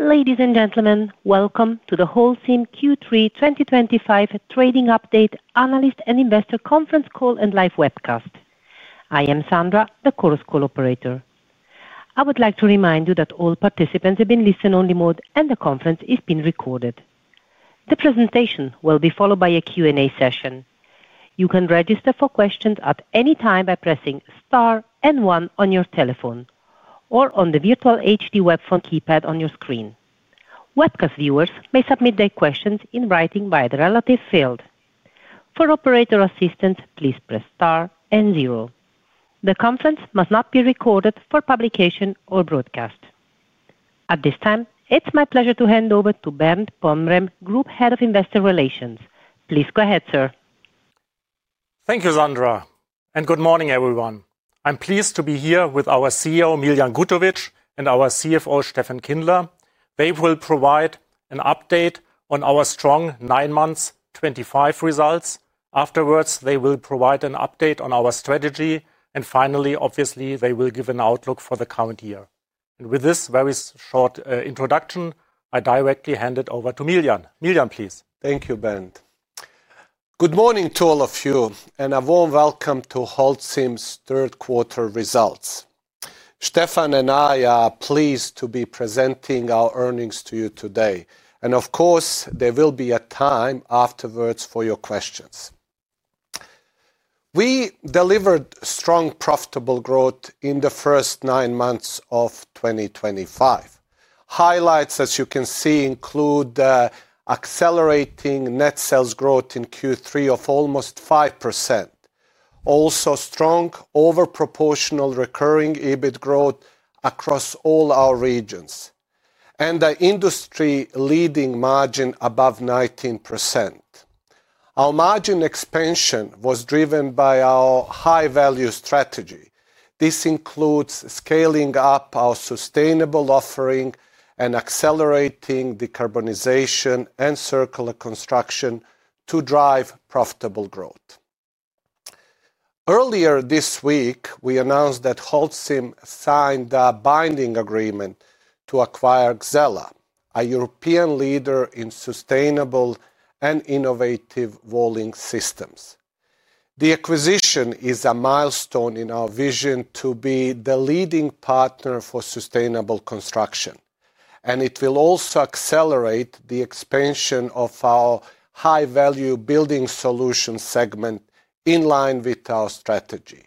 Ladies and gentlemen, welcome to the Holcim Q3 2025 trading update, analyst and investor conference call, and live webcast. I am Sandra, the call operator. I would like to remind you that all participants have been in listen-only mode and the conference is being recorded. The presentation will be followed by a Q&A session. You can register for questions at any time by pressing star and one on your telephone or on the virtual HD web form keypad on your screen. Webcast viewers may submit their questions in writing via the relevant field. For operator assistance, please press star and zero. The conference must not be recorded for publication or broadcast. At this time, it's my pleasure to hand over to Bernd Pomrehn, Group Head of Investor Relations. Please go ahead, sir. Thank you, Sandra, and good morning, everyone. I'm pleased to be here with our CEO, Miljan Gutovic, and our CFO, Steffen Kindler. They will provide an update on our strong nine months' 2025 results. Afterwards, they will provide an update on our strategy, and finally, obviously, they will give an outlook for the current year. With this very short introduction, I directly hand it over to Miljan. Miljan, please. Thank you, Bernd. Good morning to all of you, and a warm welcome to Holcim's third quarter results. Steffen and I are pleased to be presenting our earnings to you today. Of course, there will be a time afterwards for your questions. We delivered strong profitable growth in the first nine months of 2025. Highlights, as you can see, include the accelerating net sales growth in Q3 of almost 5%. Also, strong overproportional recurring EBIT growth across all our regions, and the industry-leading margin above 19%. Our margin expansion was driven by our high-value strategy. This includes scaling up our sustainable offering and accelerating decarbonization and circular construction to drive profitable growth. Earlier this week, we announced that Holcim signed a binding agreement to acquire Xella, a European leader in sustainable and innovative walling systems. The acquisition is a milestone in our vision to be the leading partner for sustainable construction, and it will also accelerate the expansion of our high-value Building Solutions segment in line with our strategy.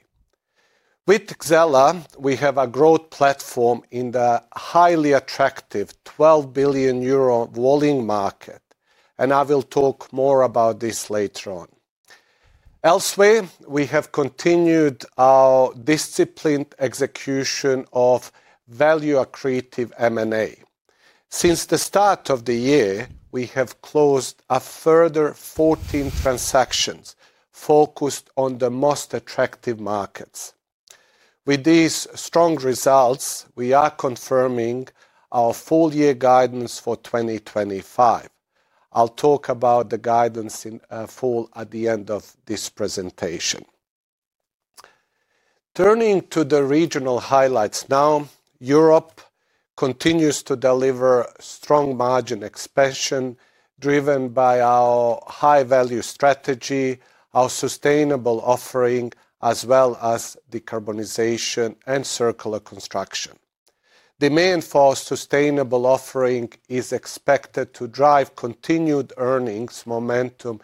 With Xella, we have a growth platform in the highly attractive 12 billion euro walling market, and I will talk more about this later on. Elsewhere, we have continued our disciplined execution of value accretive M&A. Since the start of the year, we have closed a further 14 transactions focused on the most attractive markets. With these strong results, we are confirming our full-year guidance for 2025. I'll talk about the guidance in full at the end of this presentation. Turning to the regional highlights now, Europe continues to deliver strong margin expansion driven by our high-value strategy, our sustainable offering, as well as decarbonization and circular construction. The demand for our sustainable offering is expected to drive continued earnings momentum.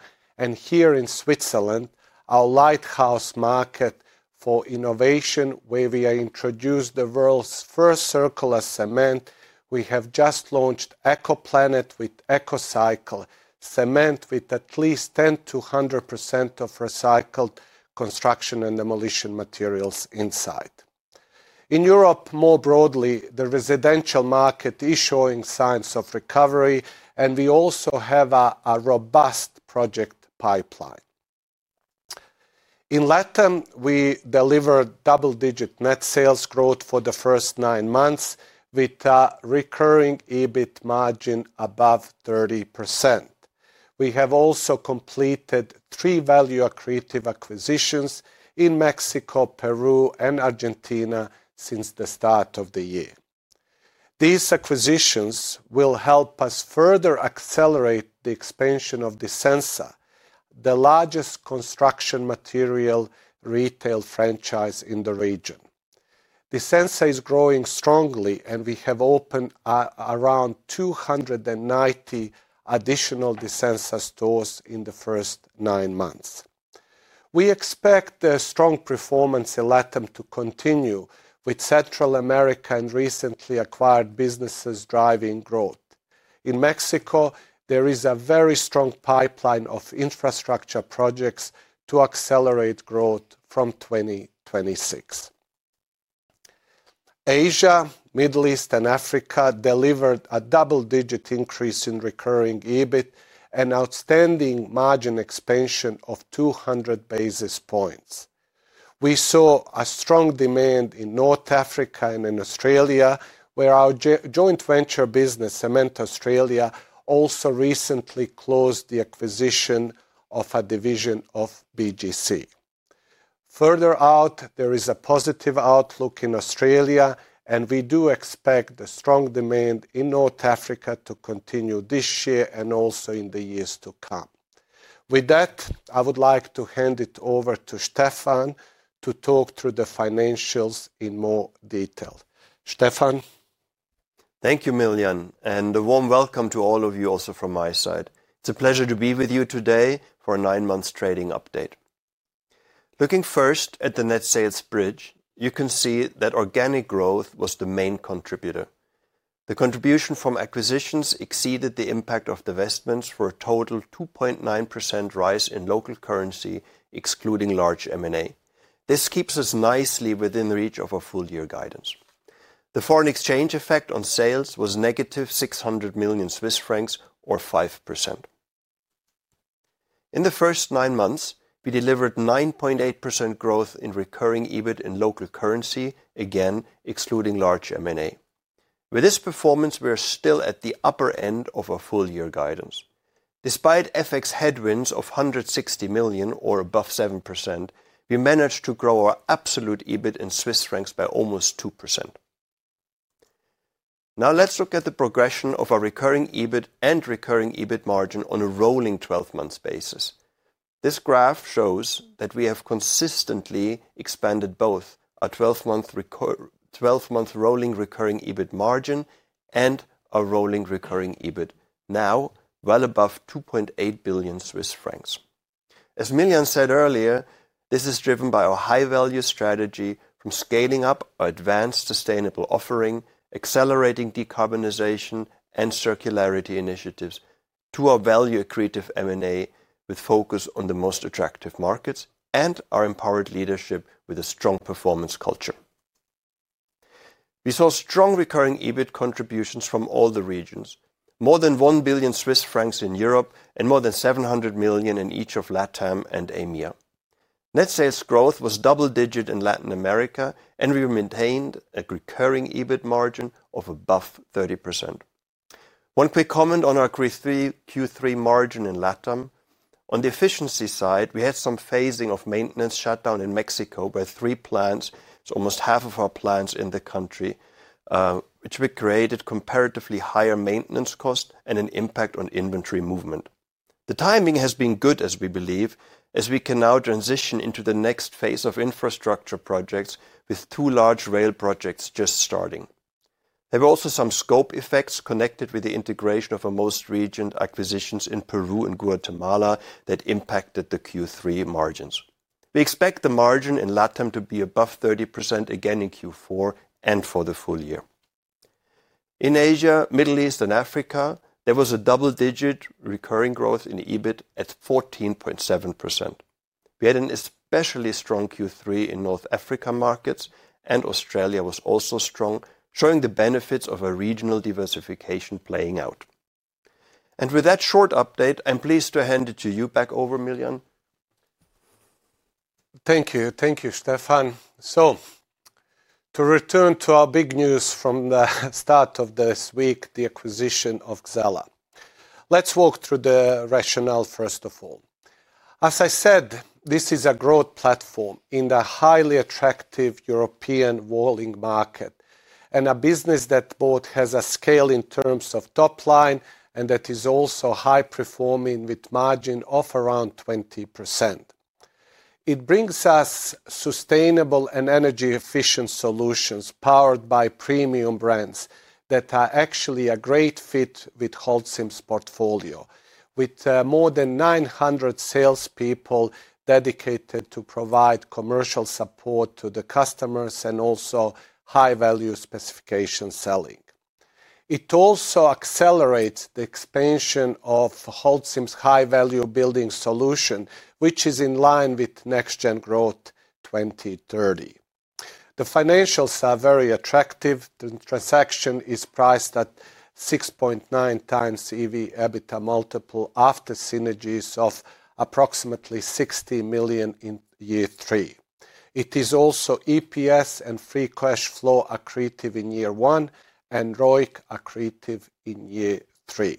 Here in Switzerland, our lighthouse market for innovation, where we have introduced the world's first circular cement, we have just launched ECOPlanet with ECOCycle cement with at least 10%-100% of recycled construction and demolition materials inside. In Europe, more broadly, the residential market is showing signs of recovery, and we also have a robust project pipeline. In Latin America, we delivered double-digit net sales growth for the first nine months with a recurring EBIT margin above 30%. We have also completed three value accretive acquisitions in Mexico, Peru, and Argentina since the start of the year. These acquisitions will help us further accelerate the expansion of Disensa, the largest construction material retail franchise in the region. Disensa is growing strongly, and we have opened around 290 additional Disensa stores in the first nine months. We expect the strong performance in Latin America to continue with Central America and recently acquired businesses driving growth. In Mexico, there is a very strong pipeline of infrastructure projects to accelerate growth from 2026. Asia, Middle East, and Africa delivered a double-digit increase in recurring EBIT and outstanding margin expansion of 200 basis points. We saw a strong demand in North Africa and in Australia, where our joint venture business, Cement Australia, also recently closed the acquisition of a division of BGC. Further out, there is a positive outlook in Australia, and we do expect the strong demand in North Africa to continue this year and also in the years to come. With that, I would like to hand it over to Steffen to talk through the financials in more detail. Steffen? Thank you, Miljan, and a warm welcome to all of you also from my side. It's a pleasure to be with you today for a nine-month trading update. Looking first at the net sales bridge, you can see that organic growth was the main contributor. The contribution from acquisitions exceeded the impact of the investments for a total 2.9% rise in local currency, excluding large M&A. This keeps us nicely within the reach of our full-year guidance. The foreign exchange effect on sales was negative 600 million Swiss francs, or 5%. In the first nine months, we delivered 9.8% growth in recurring EBIT in local currency, again excluding large M&A. With this performance, we are still at the upper end of our full-year guidance. Despite FX headwinds of 160 million or above 7%, we managed to grow our absolute EBIT in Swiss francs by almost 2%. Now let's look at the progression of our recurring EBIT and recurring EBIT margin on a rolling 12-month basis. This graph shows that we have consistently expanded both our 12-month rolling recurring EBIT margin and our rolling recurring EBIT, now well above 2.8 billion Swiss francs. As Miljan said earlier, this is driven by our high-value strategy from scaling up our advanced sustainable offering, accelerating decarbonization, and circularity initiatives to our value accretive M&A with focus on the most attractive markets and our empowered leadership with a strong performance culture. We saw strong recurring EBIT contributions from all the regions, more than 1 billion Swiss francs in Europe and more than 700 million in each of Latin America and EMEA. Net sales growth was double-digit in Latin America, and we maintained a recurring EBIT margin of above 30%. One quick comment on our Q3 margin in Latin. On the efficiency side, we had some phasing of maintenance shutdown in Mexico by three plants, so almost half of our plants in the country, which created comparatively higher maintenance costs and an impact on inventory movement. The timing has been good, as we believe, as we can now transition into the next phase of infrastructure projects with two large rail projects just starting. There were also some scope effects connected with the integration of our most recent acquisitions in Peru and Guatemala that impacted the Q3 margins. We expect the margin in Latin to be above 30% again in Q4 and for the full year. In Asia, Middle East, and Africa, there was a double-digit recurring growth in EBIT at 14.7%. We had an especially strong Q3 in North African markets, and Australia was also strong, showing the benefits of a regional diversification playing out. With that short update, I'm pleased to hand it to you back over, Miljan. Thank you. Thank you, Steffen. To return to our big news from the start of this week, the acquisition of Xella. Let's walk through the rationale, first of all. As I said, this is a growth platform in the highly attractive European walling market and a business that both has a scale in terms of top line and that is also high-performing with margin of around 20%. It brings us sustainable and energy-efficient solutions powered by premium brands that are actually a great fit with Holcim's portfolio, with more than 900 salespeople dedicated to provide commercial support to the customers and also high-value specification selling. It also accelerates the expansion of Holcim's high-value Building Solutions, which is in line with NextGen Growth 2030. The financials are very attractive. The transaction is priced at 6.9x EV/EBITDA multiple after synergies of approximately 60 million in year three. It is also EPS and free cash flow accretive in year one and ROIC accretive in year three.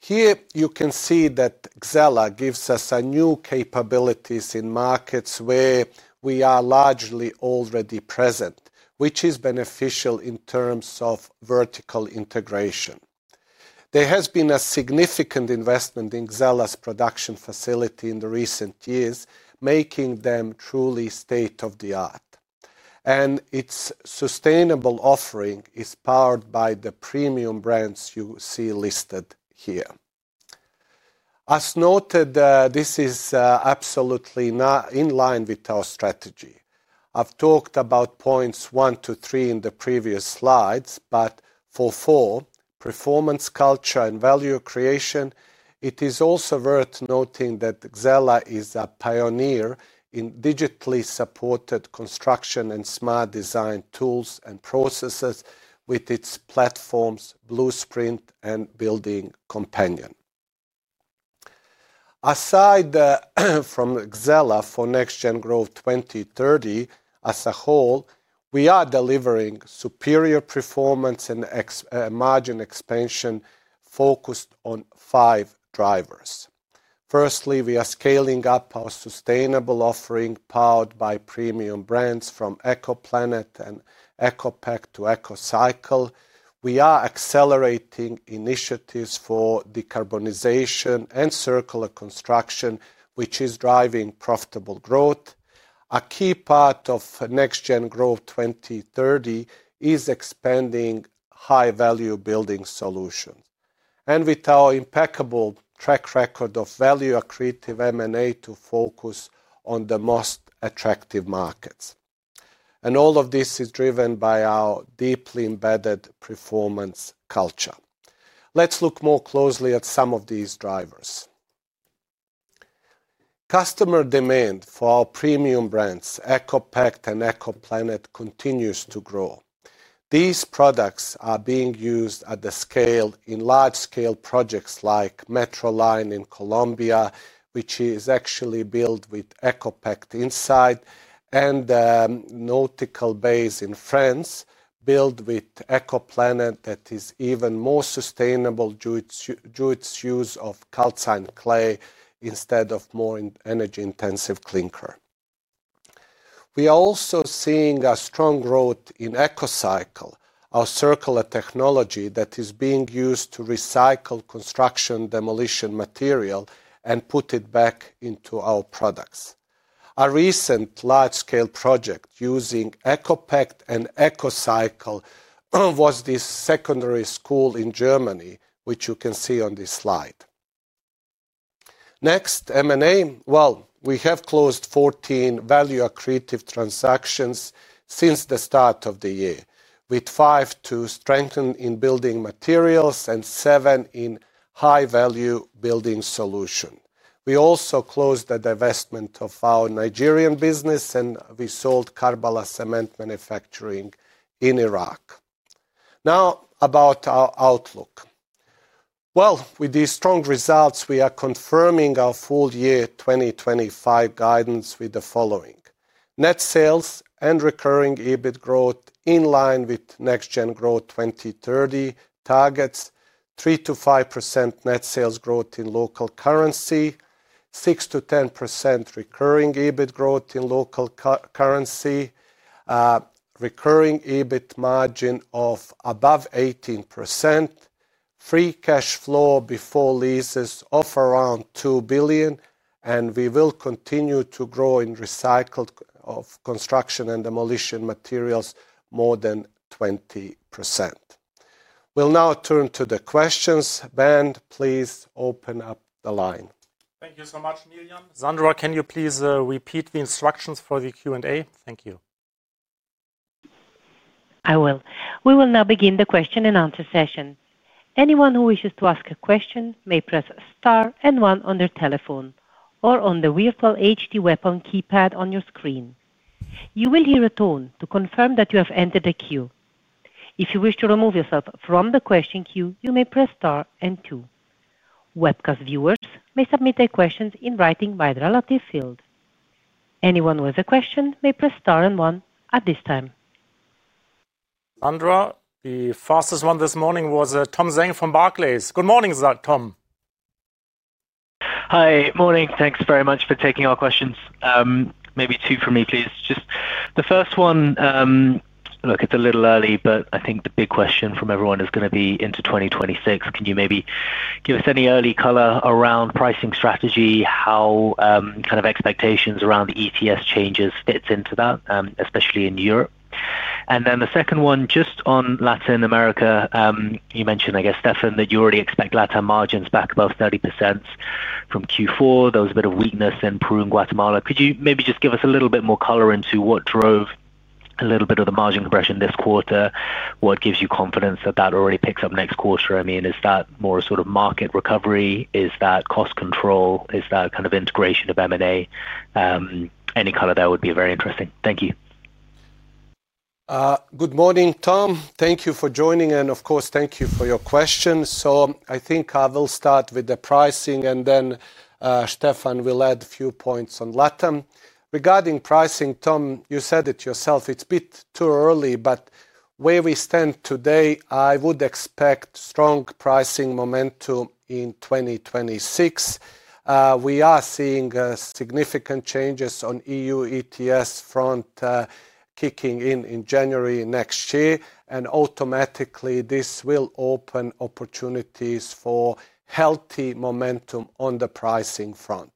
Here you can see that Xella gives us new capabilities in markets where we are largely already present, which is beneficial in terms of vertical integration. There has been a significant investment in Xella's production facility in the recent years, making them truly state-of-the-art. Its sustainable offering is powered by the premium brands you see listed here. As noted, this is absolutely in line with our strategy. I've talked about points one to three in the previous slides, but for four, performance culture and value creation, it is also worth noting that Xella is a pioneer in digitally supported construction and smart design tools and processes with its platforms, BluSprint and Building Companion. Aside from Xella for NextGen Growth 2030 as a whole, we are delivering superior performance and margin expansion focused on five drivers. Firstly, we are scaling up our sustainable offering powered by premium brands from ECOPlanet and ECOPact to ECOCycle. We are accelerating initiatives for decarbonization and circular construction, which is driving profitable growth. A key part of NextGen Growth 2030 is expanding high-value Building Solutions with our impeccable track record of value accretive M&A to focus on the most attractive markets. All of this is driven by our deeply embedded performance culture. Let's look more closely at some of these drivers. Customer demand for our premium brands, ECOPact and ECOPlanet, continues to grow. These products are being used at scale in large-scale projects like Metroline in Colombia, which is actually built with ECOPact inside, and the nautical bays in France built with ECOPlanet that is even more sustainable due to its use of calcined clay instead of more energy-intensive clinker. We are also seeing a strong growth in ECOCycle, our circular technology that is being used to recycle construction demolition material and put it back into our products. A recent large-scale project using ECOPact and ECOCycle was this secondary school in Germany, which you can see on this slide. Next, M&A, we have closed 14 value accretive transactions since the start of the year, with five to strengthen in Building Materials and seven in high-value Building Solutions. We also closed the divestment of our Nigerian business, and we sold Karbala Cement Manufacturing Ltd in Iraq. Now about our outlook. With these strong results, we are confirming our full year 2025 guidance with the following: net sales and recurring EBIT growth in line with NextGen Growth 2030 targets, 3%-5% net sales growth in local currency, 6%-10% recurring EBIT growth in local currency, recurring EBIT margin of above 18%, free cash flow before leases of around 2 billion, and we will continue to grow in recycled construction and demolition materials more than 20%. We'll now turn to the questions. Bernd, please open up the line. Thank you so much, Miljan. Sandra, can you please repeat the instructions for the Q&A? Thank you. We will now begin the question and answer session. Anyone who wishes to ask a question may press star and one on their telephone or on the virtual HD web home keypad on your screen. You will hear a tone to confirm that you have entered the queue. If you wish to remove yourself from the question queue, you may press star and two. Webcast viewers may submit their questions in writing by the relative field. Anyone with a question may press star and one at this time. Sandra, the fastest one this morning was Tom Zhang from Barclays. Good morning, Tom. Hi, morning. Thanks very much for taking our questions. Maybe two for me, please. Just the first one, look, it's a little early, but I think the big question from everyone is going to be into 2026. Can you maybe give us any early color around pricing strategy, how kind of expectations around the EU ETS changes fit into that, especially in Europe? The second one just on Latin America, you mentioned, I guess, Steffen, that you already expect Latin margins back above 30% from Q4. There was a bit of weakness in Peru and Guatemala. Could you maybe just give us a little bit more color into what drove a little bit of the margin compression this quarter? What gives you confidence that that already picks up next quarter? I mean, is that more a sort of market recovery? Is that cost control? Is that kind of integration of M&A? Any color there would be very interesting. Thank you. Good morning, Tom. Thank you for joining, and of course, thank you for your questions. I think I will start with the pricing, and then Steffen will add a few points on Latin. Regarding pricing, Tom, you said it yourself, it's a bit too early, but where we stand today, I would expect strong pricing momentum in 2026. We are seeing significant changes on the EU ETS front kicking in in January next year, and automatically this will open opportunities for healthy momentum on the pricing front.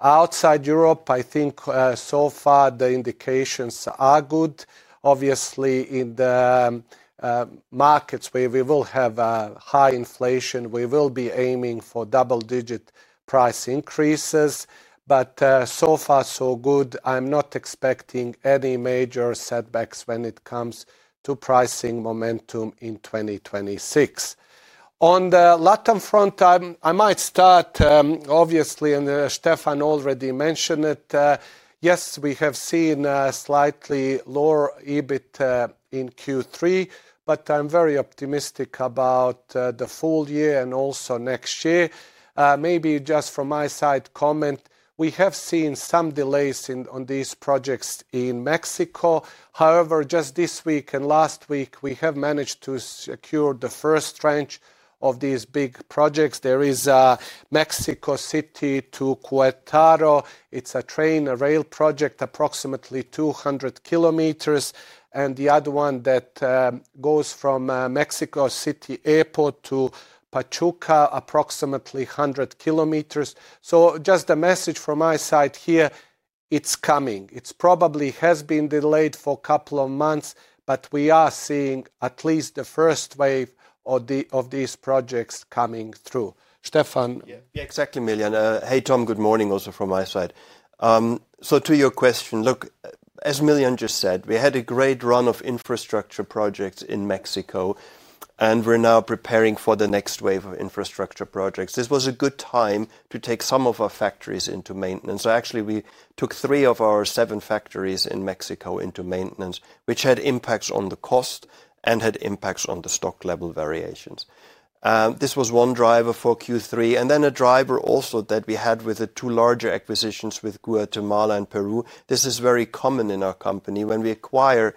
Outside Europe, I think so far the indications are good. Obviously, in the markets where we will have high inflation, we will be aiming for double-digit price increases, but so far so good. I'm not expecting any major setbacks when it comes to pricing momentum in 2026. On the Latin front, I might start, obviously, and Steffen already mentioned it. Yes, we have seen slightly lower EBIT in Q3, but I'm very optimistic about the full year and also next year. Maybe just from my side comment, we have seen some delays on these projects in Mexico. However, just this week and last week, we have managed to secure the first tranche of these big projects. There is a Mexico City to Querétaro. It's a train rail project, approximately 200 km, and the other one that goes from Mexico City Airport to Pachuca, approximately 100 km. Just a message from my side here, it's coming. It probably has been delayed for a couple of months, but we are seeing at least the first wave of these projects coming through. Steffen? Yeah, exactly, Miljan. Hey, Tom, good morning also from my side. To your question, look, as Miljan just said, we had a great run of infrastructure projects in Mexico, and we're now preparing for the next wave of infrastructure projects. This was a good time to take some of our factories into maintenance. Actually, we took three of our seven factories in Mexico into maintenance, which had impacts on the cost and had impacts on the stock level variations. This was one driver for Q3, and then a driver also that we had with the two larger acquisitions with Guatemala and Peru. This is very common in our company. When we acquire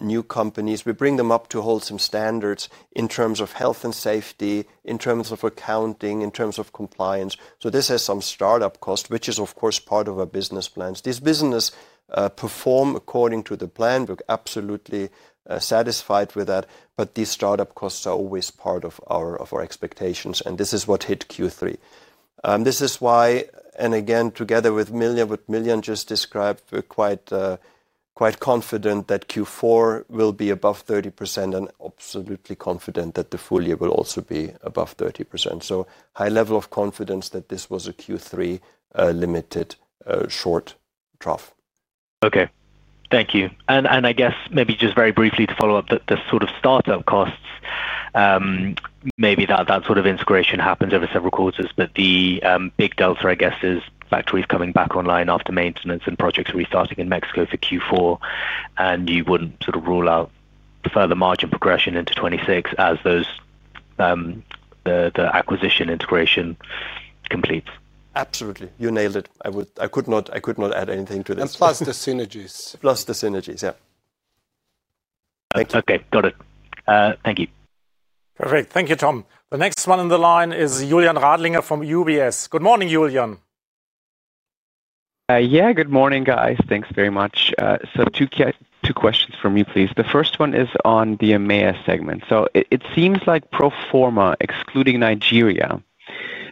new companies, we bring them up to Holcim standards in terms of health and safety, in terms of accounting, in terms of compliance. This has some startup costs, which is of course part of our business plans. These businesses perform according to the plan. We're absolutely satisfied with that, but these startup costs are always part of our expectations, and this is what hit Q3. This is why, and again, together with Miljan, what Miljan just described, we're quite confident that Q4 will be above 30% and absolutely confident that the full year will also be above 30%. High level of confidence that this was a Q3 limited short draft. Okay, thank you. I guess maybe just very briefly to follow up, the sort of startup costs, maybe that sort of integration happens every several quarters, but the big delta, I guess, is factories coming back online after maintenance and projects restarting in Mexico for Q4, and you wouldn't sort of rule out further margin progression into 2026 as the acquisition integration completes. Absolutely. You nailed it. I could not add anything to this. Plus the synergies. Plus the synergies, yeah. Okay, got it. Thank you. Perfect. Thank you, Tom. The next one on the line is Julian Radlinger from UBS. Good morning, Julian. Good morning, guys. Thanks very much. Two questions from me, please. The first one is on the EMEA segment. It seems like pro forma, excluding Nigeria,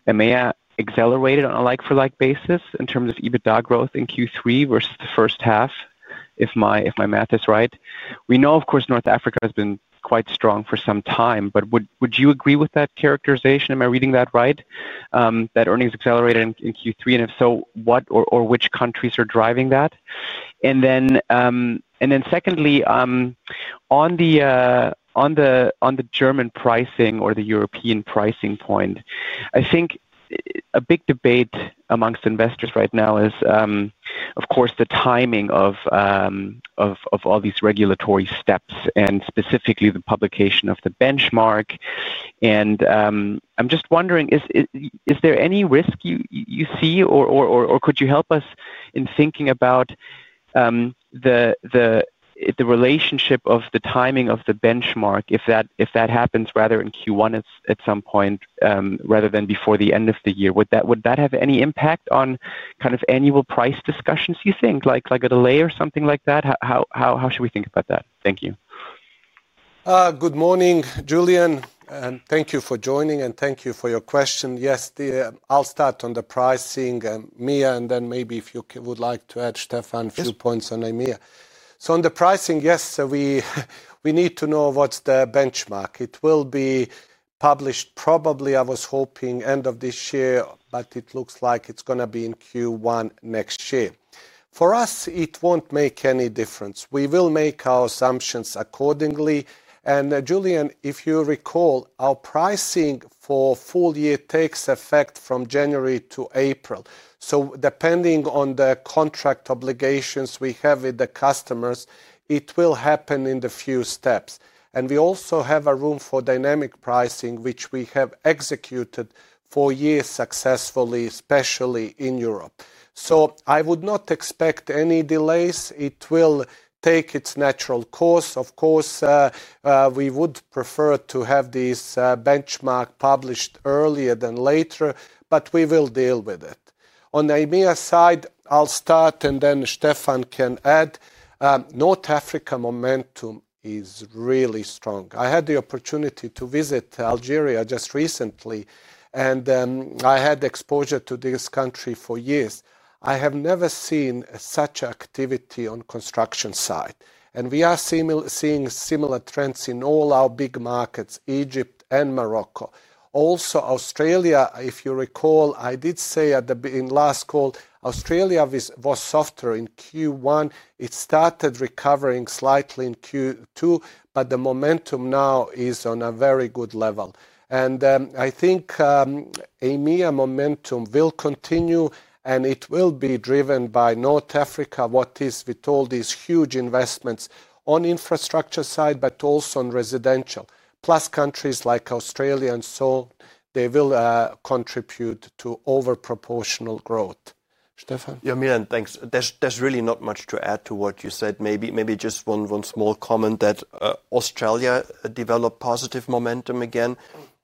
EMEA accelerated on a like-for-like basis in terms of EBITDA growth in Q3 versus the first half, if my math is right. We know, of course, North Africa has been quite strong for some time. Would you agree with that characterization? Am I reading that right, that earnings accelerated in Q3? If so, what or which countries are driving that? Secondly, on the German pricing or the European pricing point, I think a big debate amongst investors right now is the timing of all these regulatory steps and specifically the publication of the benchmark. I'm just wondering, is there any risk you see or could you help us in thinking about the relationship of the timing of the benchmark if that happens in Q1 at some point rather than before the end of the year? Would that have any impact on annual price discussions, you think, like a delay or something like that? How should we think about that? Thank you. Good morning, Julian, and thank you for joining, and thank you for your question. Yes, I'll start on the pricing, [EMEA], and then maybe if you would like to add, Steffen, a few points on EMEA. On the pricing, yes, we need to know what's the benchmark. It will be published probably, I was hoping, end of this year, but it looks like it's going to be in Q1 next year. For us, it won't make any difference. We will make our assumptions accordingly. Julian, if you recall, our pricing for full year takes effect from January to April. Depending on the contract obligations we have with the customers, it will happen in a few steps. We also have room for dynamic pricing, which we have executed for years successfully, especially in Europe. I would not expect any delays. It will take its natural course. Of course, we would prefer to have this benchmark published earlier than later, but we will deal with it. On the EMEA side, I'll start, and then Steffen can add. North Africa momentum is really strong. I had the opportunity to visit Algeria just recently, and I had exposure to this country for years. I have never seen such activity on the construction side. We are seeing similar trends in all our big markets, Egypt and Morocco. Also, Australia, if you recall, I did say in the last call, Australia was softer in Q1. It started recovering slightly in Q2, but the momentum now is on a very good level. I think EMEA momentum will continue, and it will be driven by North Africa, with all these huge investments on the infrastructure side, but also on residential. Plus countries like Australia, and so they will contribute to overproportional growth. Steffen? Yeah, Miljan, thanks. There's really not much to add to what you said. Maybe just one small comment that Australia developed positive momentum again.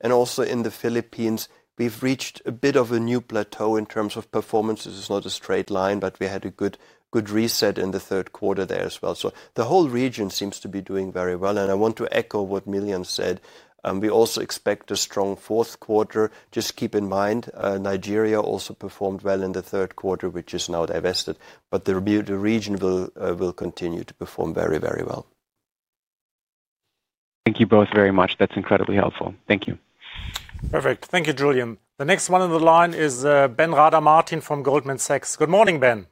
Also, in the Philippines, we've reached a bit of a new plateau in terms of performance. This is not a straight line, but we had a good reset in the third quarter there as well. The whole region seems to be doing very well, and I want to echo what Miljan said. We also expect a strong fourth quarter. Just keep in mind, Nigeria also performed well in the third quarter, which is now divested. The region will continue to perform very, very well. Thank you both very much. That's incredibly helpful. Thank you. Perfect. Thank you, Julian. The next one on the line is Ben Rada Martin from Goldman Sachs. Good morning, Ben.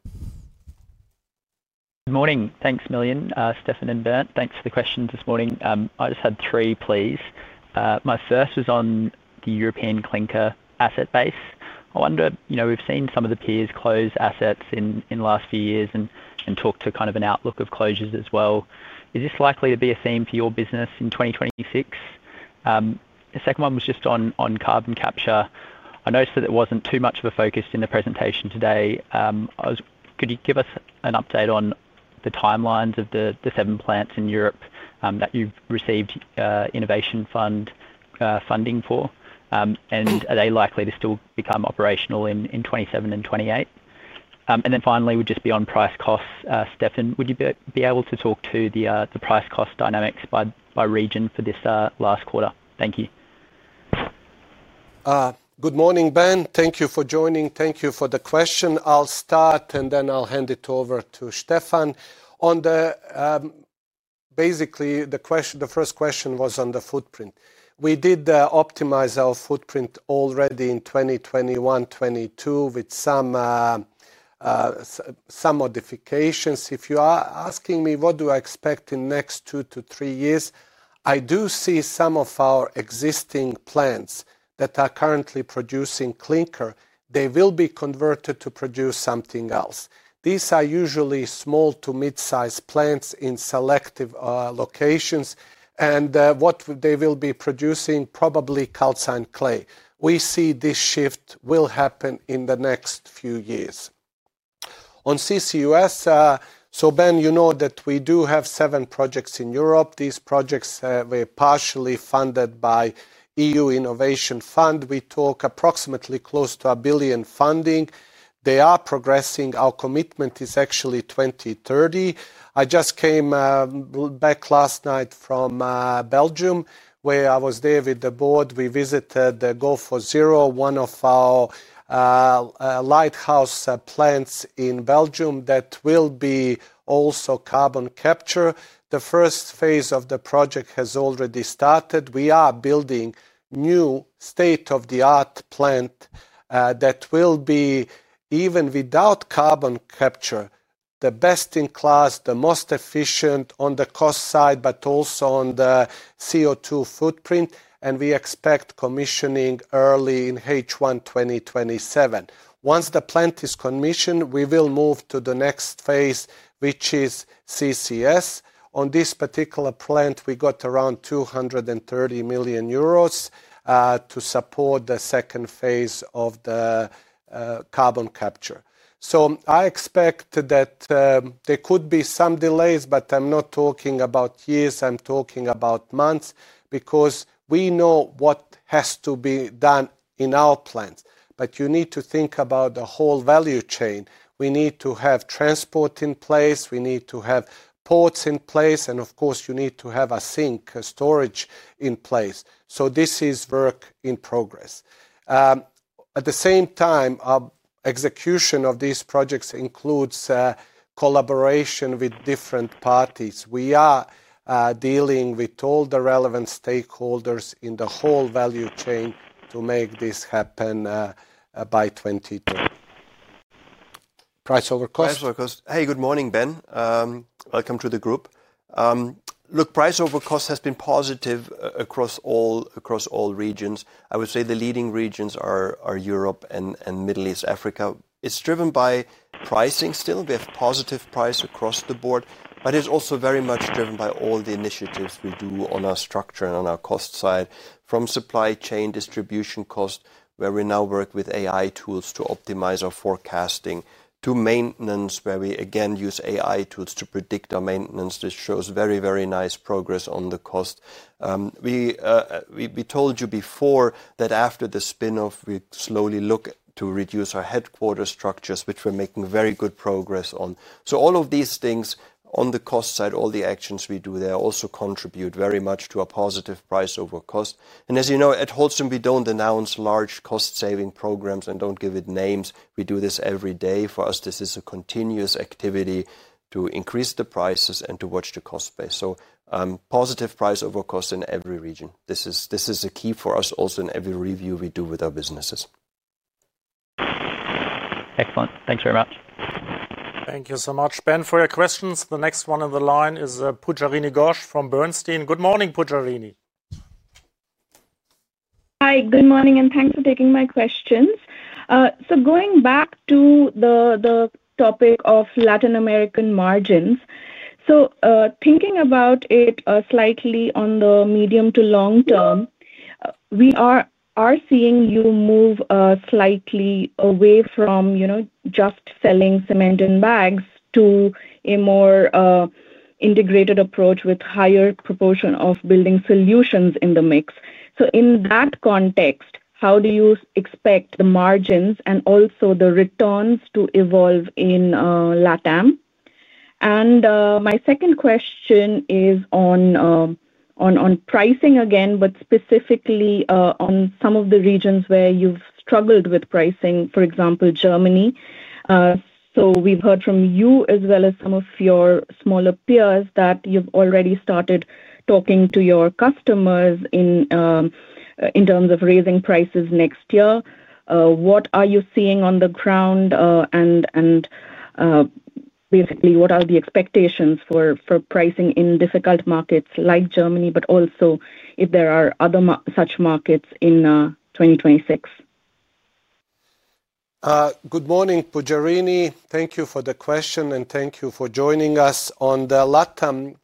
Good morning. Thanks, Miljan, Steffen, and Bernd. Thanks for the questions this morning. I just had three, please. My first was on the European clinker asset base. I wonder, you know, we've seen some of the peers close assets in the last few years and talk to kind of an outlook of closures as well. Is this likely to be a theme for your business in 2026? The second one was just on carbon capture. I noticed that it wasn't too much of a focus in the presentation today. Could you give us an update on the timelines of the seven plants in Europe that you've received innovation funding for? Are they likely to still become operational in 2027 and 2028? Finally, it would just be on price costs. Steffen, would you be able to talk to the price cost dynamics by region for this last quarter? Thank you. Good morning, Ben. Thank you for joining. Thank you for the question. I'll start, and then I'll hand it over to Steffen. Basically, the first question was on the footprint. We did optimize our footprint already in 2021-2022 with some modifications. If you are asking me what do I expect in the next two to three years, I do see some of our existing plants that are currently producing clinker. They will be converted to produce something else. These are usually small to mid-sized plants in selective locations, and what they will be producing is probably calcined clay. We see this shift will happen in the next few years. On CCUS, Ben, you know that we do have seven projects in Europe. These projects were partially funded by the E.U. Innovation Fund. We talk approximately close to 1 billion funding. They are progressing. Our commitment is actually 2030. I just came back last night from Belgium, where I was there with the board. We visited the GO4ZERO, one of our lighthouse plants in Belgium that will be also carbon capture. The first phase of the project has already started. We are building a new state-of-the-art plant that will be even without carbon capture, the best in class, the most efficient on the cost side, but also on the CO2 footprint. We expect commissioning early in H1 2027. Once the plant is commissioned, we will move to the next phase, which is CCS. On this particular plant, we got around 230 million euros to support the second phase of the carbon capture. I expect that there could be some delays, but I'm not talking about years. I'm talking about months because we know what has to be done in our plants. You need to think about the whole value chain. We need to have transport in place. We need to have ports in place. Of course, you need to have a sink storage in place. This is work in progress. At the same time, our execution of these projects includes collaboration with different parties. We are dealing with all the relevant stakeholders in the whole value chain to make this happen by 2030. Price over cost? Price over cost. Hey, good morning, Ben. Welcome to the group. Look, price over cost has been positive across all regions. I would say the leading regions are Europe and Middle East, Africa. It's driven by pricing still. We have positive price across the board, but it's also very much driven by all the initiatives we do on our structure and on our cost side, from supply chain, distribution cost, where we now work with AI tools to optimize our forecasting, to maintenance, where we again use AI tools to predict our maintenance. This shows very, very nice progress on the cost. We told you before that after the spin-off, we slowly look to reduce our headquarter structures, which we're making very good progress on. All of these things on the cost side, all the actions we do there also contribute very much to a positive price over cost. As you know, at Holcim, we don't announce large cost-saving programs and don't give it names. We do this every day. For us, this is a continuous activity to increase the prices and to watch the cost space. Positive price over cost in every region. This is a key for us also in every review we do with our businesses. Excellent. Thanks very much. Thank you so much, Ben, for your questions. The next one on the line is Pujarini Ghosh from Bernstein. Good morning, Pujarini. Hi, good morning, and thanks for taking my questions. Going back to the topic of Latin American margins, thinking about it slightly on the medium to long term, we are seeing you move slightly away from just selling cement in bags to a more integrated approach with a higher proportion of Building Solutions in the mix. In that context, how do you expect the margins and also the returns to evolve in Latin? My second question is on pricing again, but specifically on some of the regions where you've struggled with pricing, for example, Germany. We've heard from you as well as some of your smaller peers that you've already started talking to your customers in terms of raising prices next year. What are you seeing on the ground? Basically, what are the expectations for pricing in difficult markets like Germany, but also if there are other such markets in 2026? Good morning, Pujarini. Thank you for the question, and thank you for joining us. On the Latin,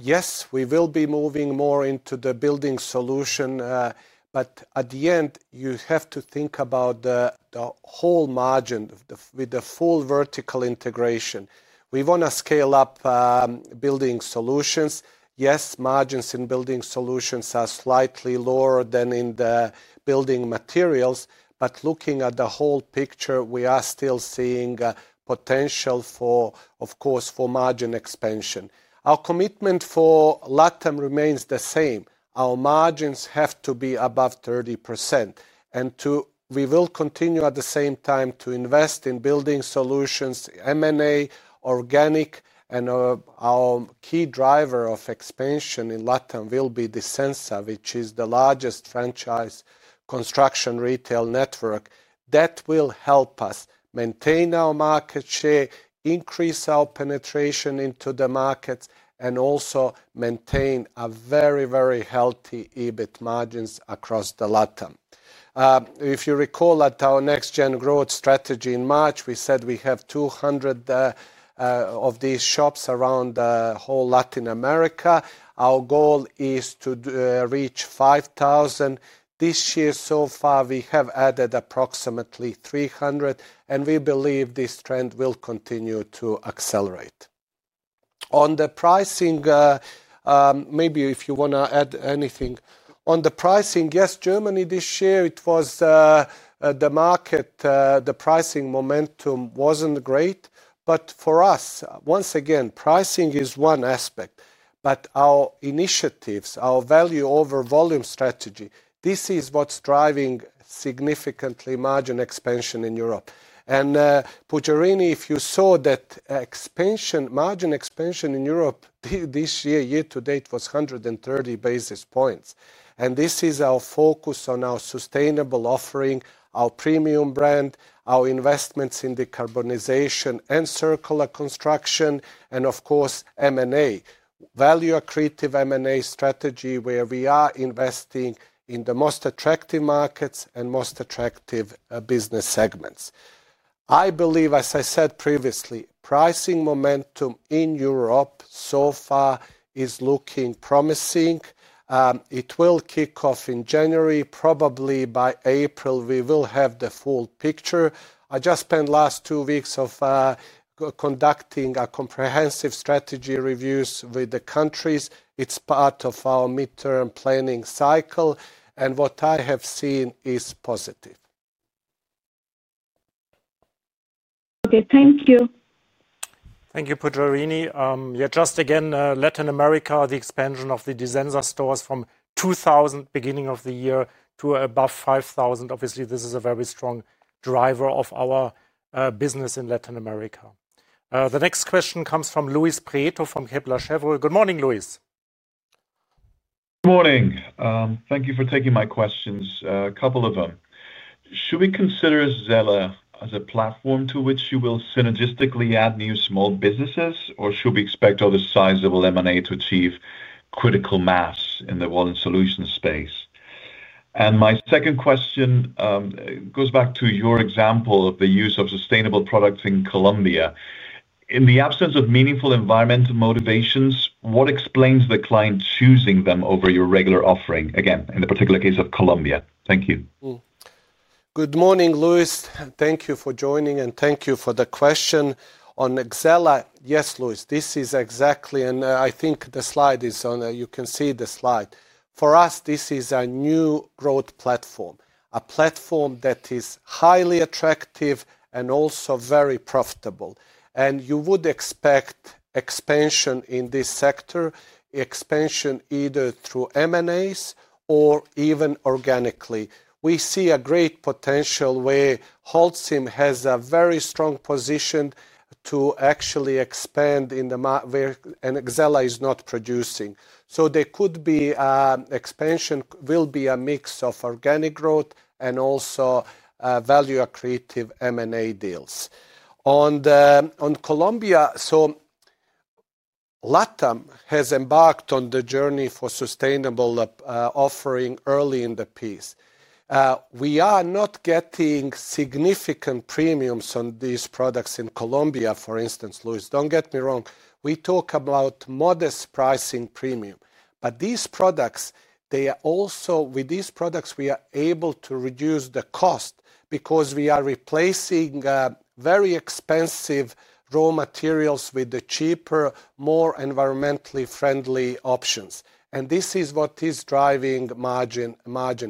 yes, we will be moving more into the Building Solutions. At the end, you have to think about the whole margin with the full vertical integration. We want to scale up Building Solutions. Yes, margins in Building Solutions are slightly lower than in the Building Materials. Looking at the whole picture, we are still seeing potential for, of course, margin expansion. Our commitment for Latin remains the same. Our margins have to be above 30%. We will continue at the same time to invest in Building Solutions, M&A, organic, and our key driver of expansion in Latin will be Disensa, which is the largest franchise construction retail network. That will help us maintain our market share, increase our penetration into the markets, and also maintain very, very healthy EBIT margins across the Latin. If you recall at our NextGen Growth 2030 strategy in March, we said we have 200 of these shops around the whole Latin America. Our goal is to reach 5,000. This year so far, we have added approximately 300, and we believe this trend will continue to accelerate. On the pricing, maybe if you want to add anything. On the pricing, yes, Germany this year, the market, the pricing momentum wasn't great. For us, once again, pricing is one aspect. Our initiatives, our value over volume strategy, this is what's driving significantly margin expansion in Europe. Pujarini, if you saw that margin expansion in Europe this year, year to date was 130 basis points. This is our focus on our sustainable offering, our premium brand, our investments in decarbonization and circular construction, and, of course, M&A, value accretive M&A strategy, where we are investing in the most attractive markets and most attractive business segments. I believe, as I said previously, pricing momentum in Europe so far is looking promising. It will kick off in January. Probably by April, we will have the full picture. I just spent the last two weeks conducting comprehensive strategy reviews with the countries. It's part of our midterm planning cycle, and what I have seen is positive. Okay, thank you. Thank you, Pujarini. Yeah, just again, Latin America, the expansion of the Disensa stores from 2,000 beginning of the year to above 5,000. Obviously, this is a very strong driver of our business in Latin America. The next question comes from Luis Prieto from Kepler Cheuvreux. Good morning, Luis. Good morning. Thank you for taking my questions. A couple of them. Should we consider Xella as a platform to which you will synergistically add new small businesses, or should we expect other sizable M&A to achieve critical mass in the wall and solution space? My second question goes back to your example of the use of sustainable products in Colombia. In the absence of meaningful environmental motivations, what explains the client choosing them over your regular offering, again, in the particular case of Colombia? Thank you. Good morning, Luis. Thank you for joining, and thank you for the question. On Xella, yes, Luis, this is exactly, and I think the slide is on, you can see the slide. For us, this is a new growth platform, a platform that is highly attractive and also very profitable. You would expect expansion in this sector, expansion either through M&A or even organically. We see a great potential where Holcim has a very strong position to actually expand in the market, and Xella is not producing. There could be an expansion, will be a mix of organic growth and also value accretive M&A deals. On Colombia, Latin has embarked on the journey for sustainable offering early in the piece. We are not getting significant premiums on these products in Colombia, for instance, Luis, don't get me wrong. We talk about modest pricing premium. These products, they are also, with these products, we are able to reduce the cost because we are replacing very expensive raw materials with the cheaper, more environmentally friendly options. This is what is driving margin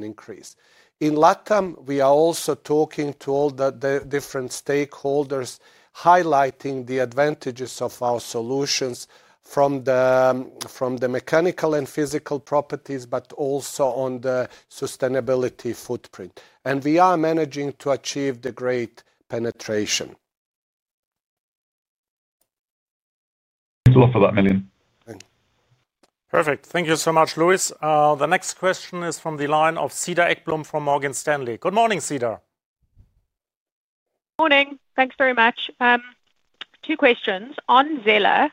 increase. In Latin, we are also talking to all the different stakeholders, highlighting the advantages of our solutions from the mechanical and physical properties, but also on the sustainability footprint. We are managing to achieve the great penetration. Thanks a lot for that, Miljan. Perfect. Thank you so much, Luis. The next question is from the line of Cedar Ekblom from Morgan Stanley. Good morning, Cedar. Morning. Thanks very much. Two questions. On Xella,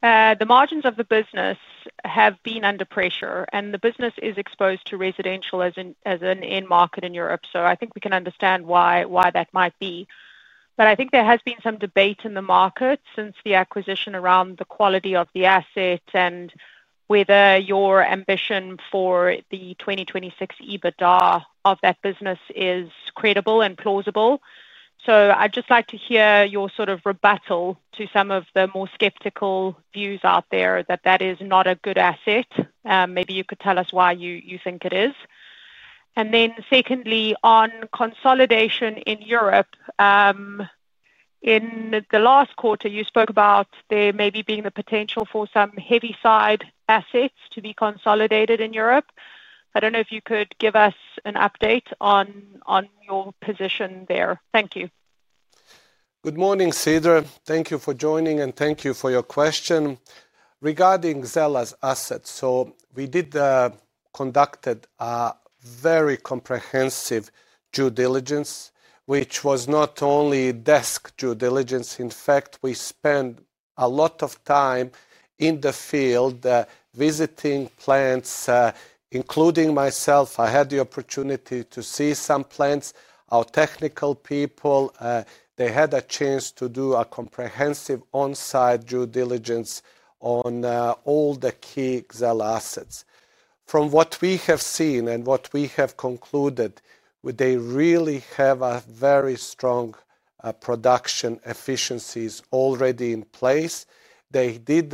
the margins of the business have been under pressure, and the business is exposed to residential as an end market in Europe. I think we can understand why that might be. There has been some debate in the market since the acquisition around the quality of the asset and whether your ambition for the 2026 EBITDA of that business is credible and plausible. I'd just like to hear your sort of rebuttal to some of the more skeptical views out there that that is not a good asset. Maybe you could tell us why you think it is. Secondly, on consolidation in Europe, in the last quarter, you spoke about there maybe being the potential for some heavy side assets to be consolidated in Europe. I don't know if you could give us an update on your position there. Thank you. Good morning, Cedar. Thank you for joining, and thank you for your question. Regarding Xella's assets, we did conduct a very comprehensive due diligence, which was not only desk due diligence. In fact, we spent a lot of time in the field visiting plants, including myself. I had the opportunity to see some plants. Our technical people had a chance to do a comprehensive onsite due diligence on all the key Xella assets. From what we have seen and what we have concluded, they really have very strong production efficiencies already in place. They did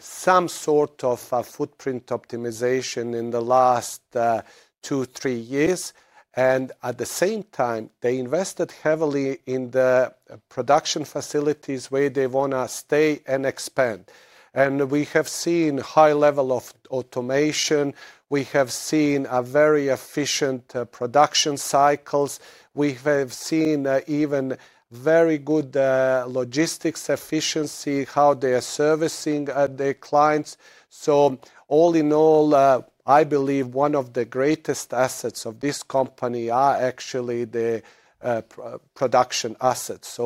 some sort of footprint optimization in the last two, three years. At the same time, they invested heavily in the production facilities where they want to stay and expand. We have seen a high level of automation. We have seen very efficient production cycles. We have seen even very good logistics efficiency, how they are servicing their clients. All in all, I believe one of the greatest assets of this company are actually the production assets.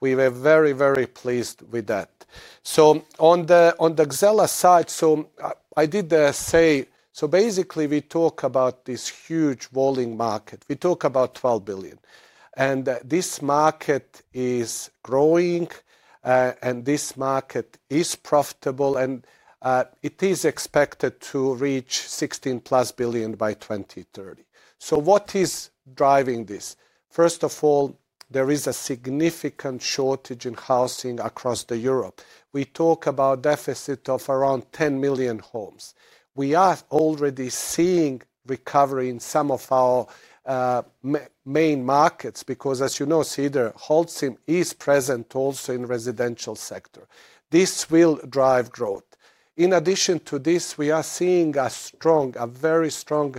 We were very, very pleased with that. On the Xella side, I did say, basically we talk about this huge rolling market. We talk about 12 billion. This market is growing, this market is profitable, and it is expected to reach 16+ billion by 2030. What is driving this? First of all, there is a significant shortage in housing across Europe. We talk about a deficit of around 10 million homes. We are already seeing recovery in some of our main markets because, as you know, Cedar, Holcim is present also in the residential sector. This will drive growth. In addition to this, we are seeing a strong, a very strong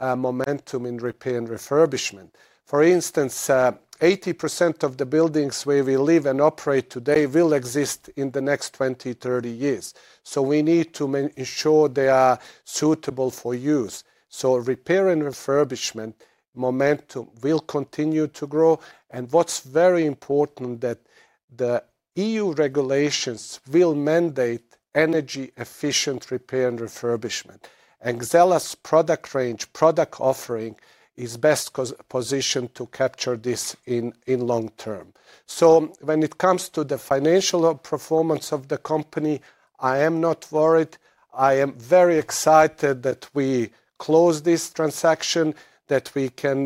momentum in repair and refurbishment. For instance, 80% of the buildings where we live and operate today will exist in the next 20, 30 years. We need to ensure they are suitable for use. Repair and refurbishment momentum will continue to grow. What's very important is that the E.U. regulations will mandate energy efficient repair and refurbishment. Xella's product range, product offering is best positioned to capture this in long term. When it comes to the financial performance of the company, I am not worried. I am very excited that we close this transaction, that we can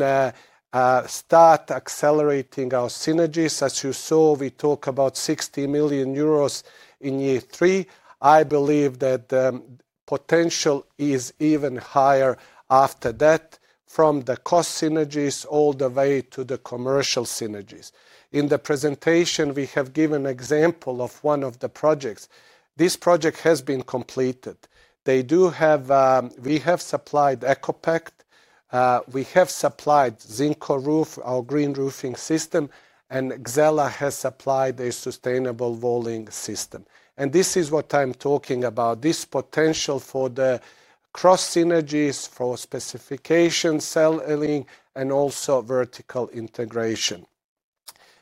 start accelerating our synergies. As you saw, we talk about 60 million euros in year three. I believe that the potential is even higher after that, from the cost synergies all the way to the commercial synergies. In the presentation, we have given an example of one of the projects. This project has been completed. They do have, we have supplied ECOPact. We have supplied ZinCo Roof, our green roofing system, and Xella has supplied a sustainable walling system. This is what I'm talking about, this potential for the cross synergies, for specification selling, and also vertical integration.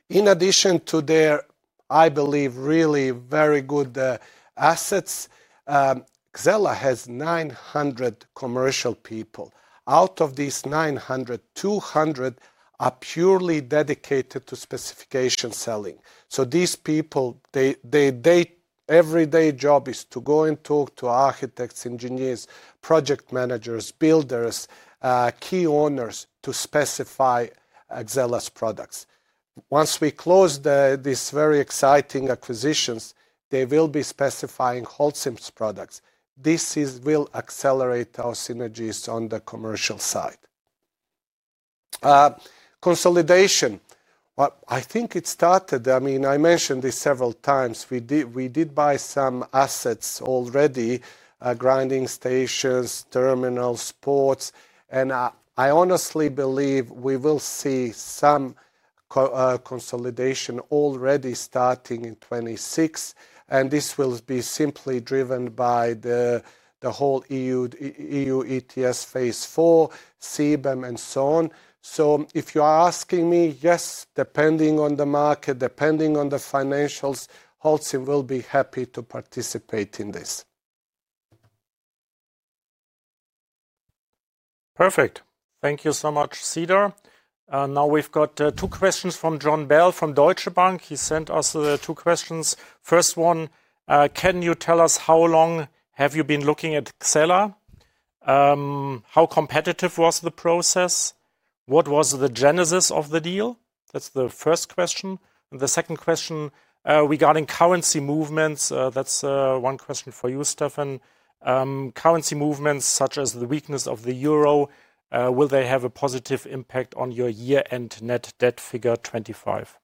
In addition to their, I believe, really very good assets, Xella has 900 commercial people. Out of these 900, 200 are purely dedicated to specification selling. These people, their everyday job is to go and talk to architects, engineers, project managers, builders, key owners to specify Xella's products. Once we close these very exciting acquisitions, they will be specifying Holcim's products. This will accelerate our synergies on the commercial side. Consolidation, I think it started. I mentioned this several times. We did buy some assets already, grinding stations, terminals, ports, and I honestly believe we will see some consolidation already starting in 2026. This will be simply driven by the whole E.U. ETS phase four, CBAM, and so on. If you are asking me, yes, depending on the market, depending on the financials, Holcim will be happy to participate in this. Perfect. Thank you so much, Cedar. Now we've got two questions from Jon Bell from Deutsche Bank. He sent us two questions. First one, can you tell us how long have you been looking at Xella? How competitive was the process? What was the genesis of the deal? That's the first question. The second question regarding currency movements, that's one question for you, Steffen. Currency movements such as the weakness of the euro, will they have a positive impact on your year-end net debt figure 2025?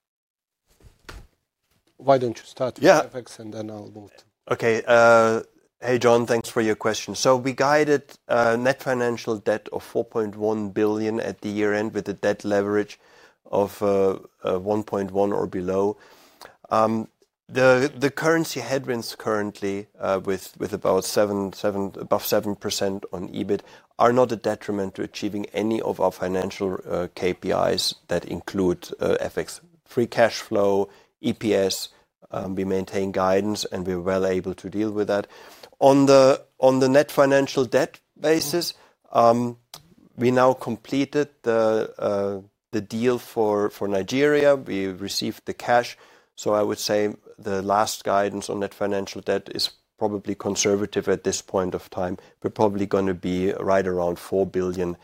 Why don't you start with FX, and then I'll move to... Okay. Hey Jon, thanks for your question. We guided net financial debt of 4.1 billion at the year end with a debt leverage of 1.1x or below. The currency headwinds currently with about above 7% on EBIT are not a detriment to achieving any of our financial KPIs that include FX, free cash flow, EPS. We maintain guidance and we're well able to deal with that. On the net financial debt basis, we now completed the deal for Nigeria. We received the cash. I would say the last guidance on net financial debt is probably conservative at this point of time. We're probably going to be right around 4 billion,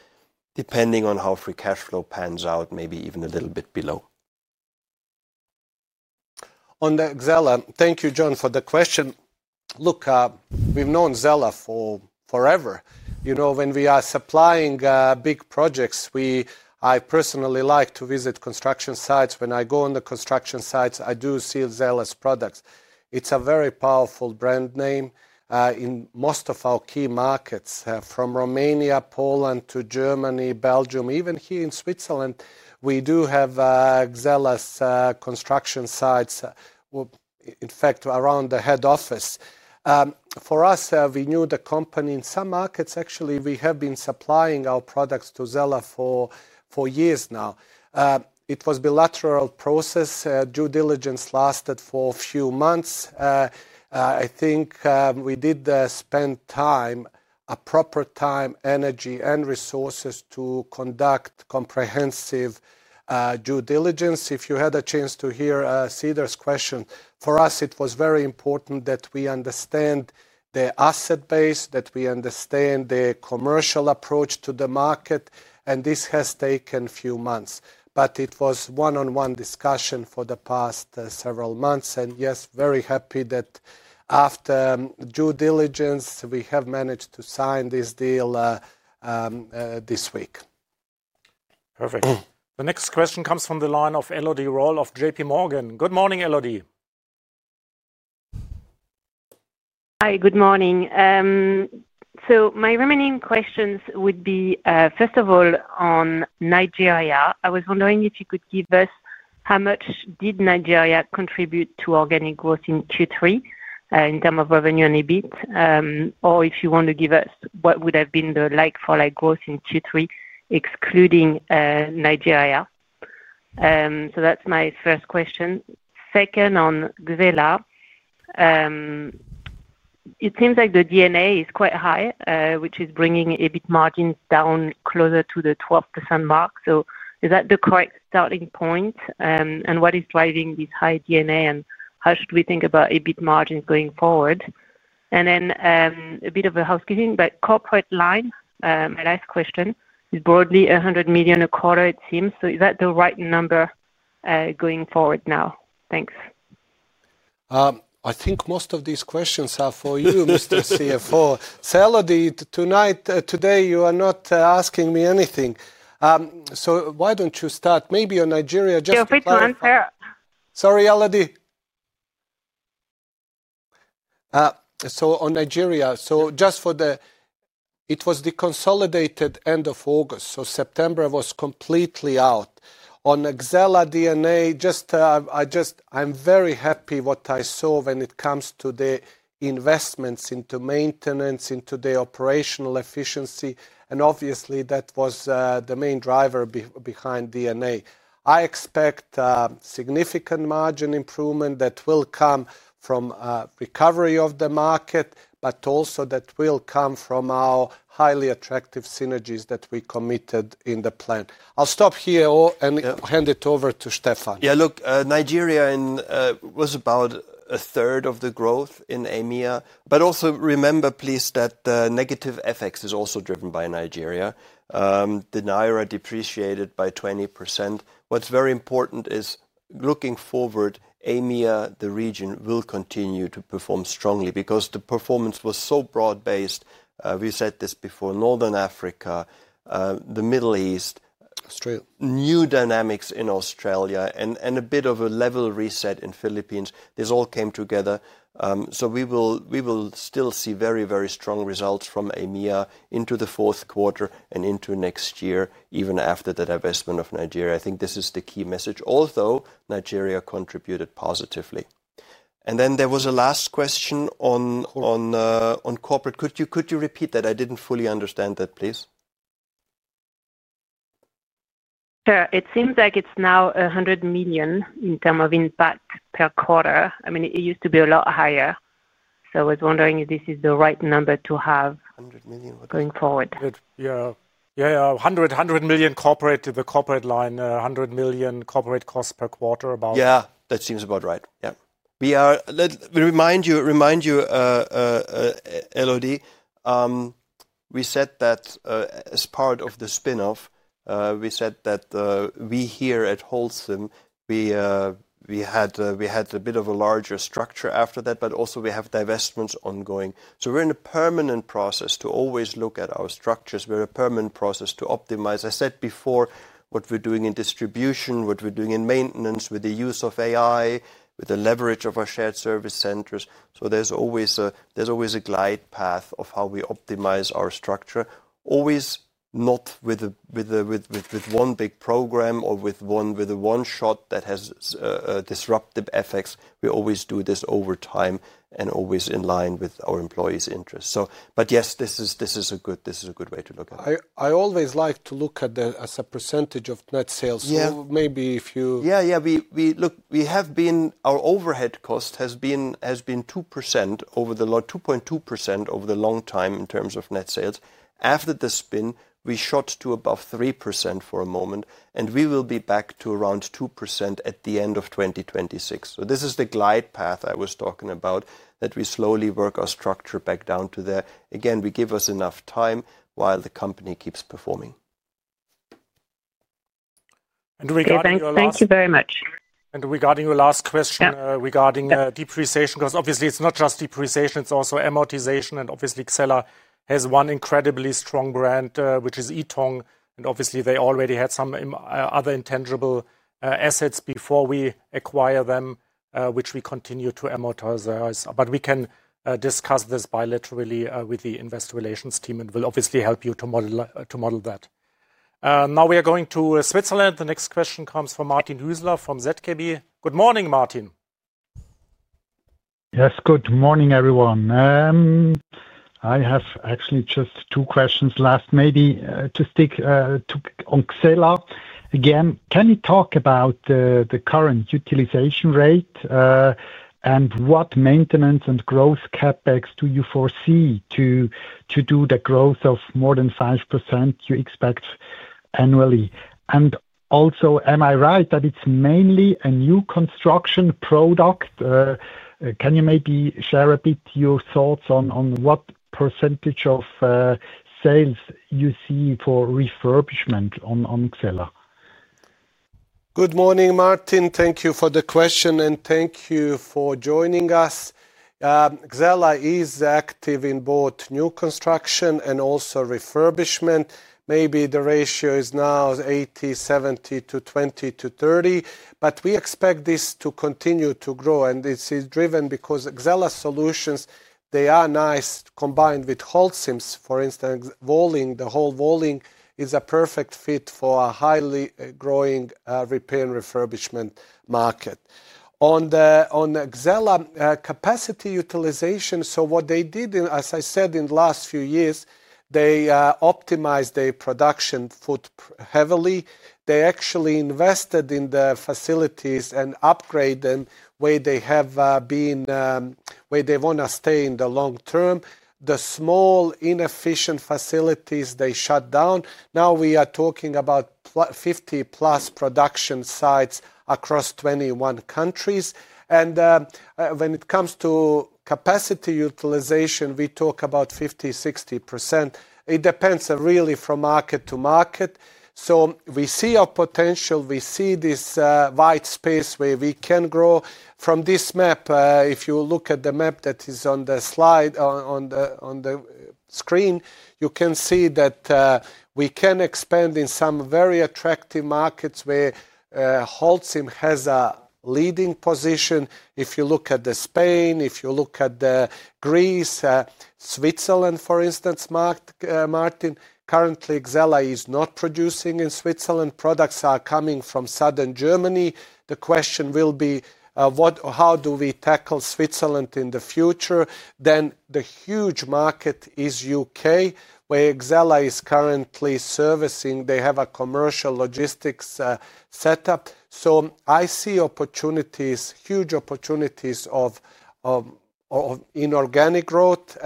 depending on how free cash flow pans out, maybe even a little bit below. On the Xella, thank you, John, for the question. Look, we've known Xella for forever. You know, when we are supplying big projects, I personally like to visit construction sites. When I go on the construction sites, I do see Xella's products. It's a very powerful brand name. In most of our key markets, from Romania, Poland to Germany, Belgium, even here in Switzerland, we do have Xella's construction sites, in fact, around the head office. For us, we knew the company in some markets. Actually, we have been supplying our products to Xella for years now. It was a bilateral process. Due diligence lasted for a few months. I think we did spend time, a proper time, energy, and resources to conduct comprehensive due diligence. If you had a chance to hear Cedar's question, for us, it was very important that we understand the asset base, that we understand the commercial approach to the market, and this has taken a few months. It was one-on-one discussion for the past several months. Yes, very happy that after due diligence, we have managed to sign this deal this week. Perfect. The next question comes from the line of Elodie Rall of JPMorgan. Good morning, Elodie. Hi, good morning. My remaining questions would be, first of all, on Nigeria. I was wondering if you could give us how much did Nigeria contribute to organic growth in Q3 in terms of revenue and EBIT, or if you want to give us what would have been the like-for-like growth in Q3, excluding Nigeria. That's my first question. Second, on Xella, it seems like the DNA is quite high, which is bringing EBIT margins down closer to the 12% mark. Is that the correct starting point? What is driving this high DNA, and how should we think about EBIT margins going forward? A bit of housekeeping, but corporate line, my last question, is broadly 100 million a quarter, it seems. Is that the right number going forward now? Thanks. I think most of these questions are for you, Mr. CFO. Elodie, today you are not asking me anything. Why don't you start? Maybe on Nigeria. Feel free to answer. Sorry, Elodie. On Nigeria, it was the consolidated end of August, so September was completely out. On Xella DNA, I'm very happy with what I saw when it comes to the investments into maintenance, into the operational efficiency, and obviously that was the main driver behind DNA. I expect a significant margin improvement that will come from recovery of the market, but also that will come from our highly attractive synergies that we committed in the plan. I'll stop here and hand it over to Steffen. Yeah, look, Nigeria was about a third of the growth in EMEA, but also remember please that the negative FX is also driven by Nigeria. The Naira depreciated by 20%. What's very important is looking forward, EMEA, the region will continue to perform strongly because the performance was so broad-based. We said this before, North Africa, the Middle East, new dynamics in Australia, and a bit of a level reset in Philippines. This all came together. We will still see very, very strong results from EMEA into the fourth quarter and into next year, even after the divestment of Nigeria. I think this is the key message, although Nigeria contributed positively. There was a last question on corporate. Could you repeat that? I didn't fully understand that, please. Sir, it seems like it's now [100 million] in terms of impact per quarter. I mean, it used to be a lot higher. I was wondering if this is the right number to have, [100 million] going forward. Yeah, [100 million] to the corporate line, [100 million] corporate costs per quarter about. Yeah, that seems about right. We are, remind you, Elodie, we said that as part of the spin-off, we said that we here at Holcim, we had a bit of a larger structure after that, but also we have divestments ongoing. We are in a permanent process to always look at our structures. We are in a permanent process to optimize. I said before what we're doing in distribution, what we're doing in maintenance, with the use of AI, with the leverage of our shared service centers. There is always a glide path of how we optimize our structure, always not with one big program or with one shot that has disruptive effects. We always do this over time and always in line with our employees' interests. Yes, this is a good way to look at it. I always like to look at it as a percent of net sales. Maybe if you... We have been, our overhead cost has been 2% over the long, 2.2% over the long time in terms of net sales. After the spin, we shot to above 3% for a moment, and we will be back to around 2% at the end of 2026. This is the glide path I was talking about that we slowly work our structure back down to there. Again, we give us enough time while the company keeps performing. Thank you very much. Regarding your last question about depreciation, because obviously it's not just depreciation, it's also amortization. Obviously, Xella has one incredibly strong brand, which is [YTONG], and they already had some other intangible assets before we acquired them, which we continue to amortize. We can discuss this bilaterally with the Investor Relations team, and we'll obviously help you to model that. Now we are going to Switzerland. The next question comes from Martin Hüsler from ZKB. Good morning, Martin. Yes, good morning everyone. I have actually just two questions left. Maybe to stick to Xella again, can you talk about the current utilization rate and what maintenance and growth CapEx do you foresee to do the growth of more than 5% you expect annually? Also, am I right that it's mainly a new construction product? Can you maybe share a bit your thoughts on what percentage of sales you see for refurbishment on Xella? Good morning, Martin. Thank you for the question, and thank you for joining us. Xella is active in both new construction and also refurbishment. Maybe the ratio is now 70:30, but we expect this to continue to grow, and this is driven because Xella solutions, they are nice combined with Holcim's, for instance, the whole rolling is a perfect fit for a highly growing repair and refurbishment market. On Xella capacity utilization, what they did, as I said, in the last few years, they optimized their production footprint heavily. They actually invested in the facilities and upgraded them where they have been, where they want to stay in the long term. The small inefficient facilities they shut down. Now we are talking about 50%+ production sites across 21 countries. When it comes to capacity utilization, we talk about 50%-60%. It depends really from market to market. We see our potential. We see this wide space where we can grow. From this map, if you look at the map that is on the slide on the screen, you can see that we can expand in some very attractive markets where Holcim has a leading position. If you look at Spain, if you look at Greece, Switzerland, for instance, Martin, currently Xella is not producing in Switzerland. Products are coming from Southern Germany. The question will be, how do we tackle Switzerland in the future? The huge market is UK, where Xella is currently servicing. They have a commercial logistics setup. I see opportunities, huge opportunities in organic growth.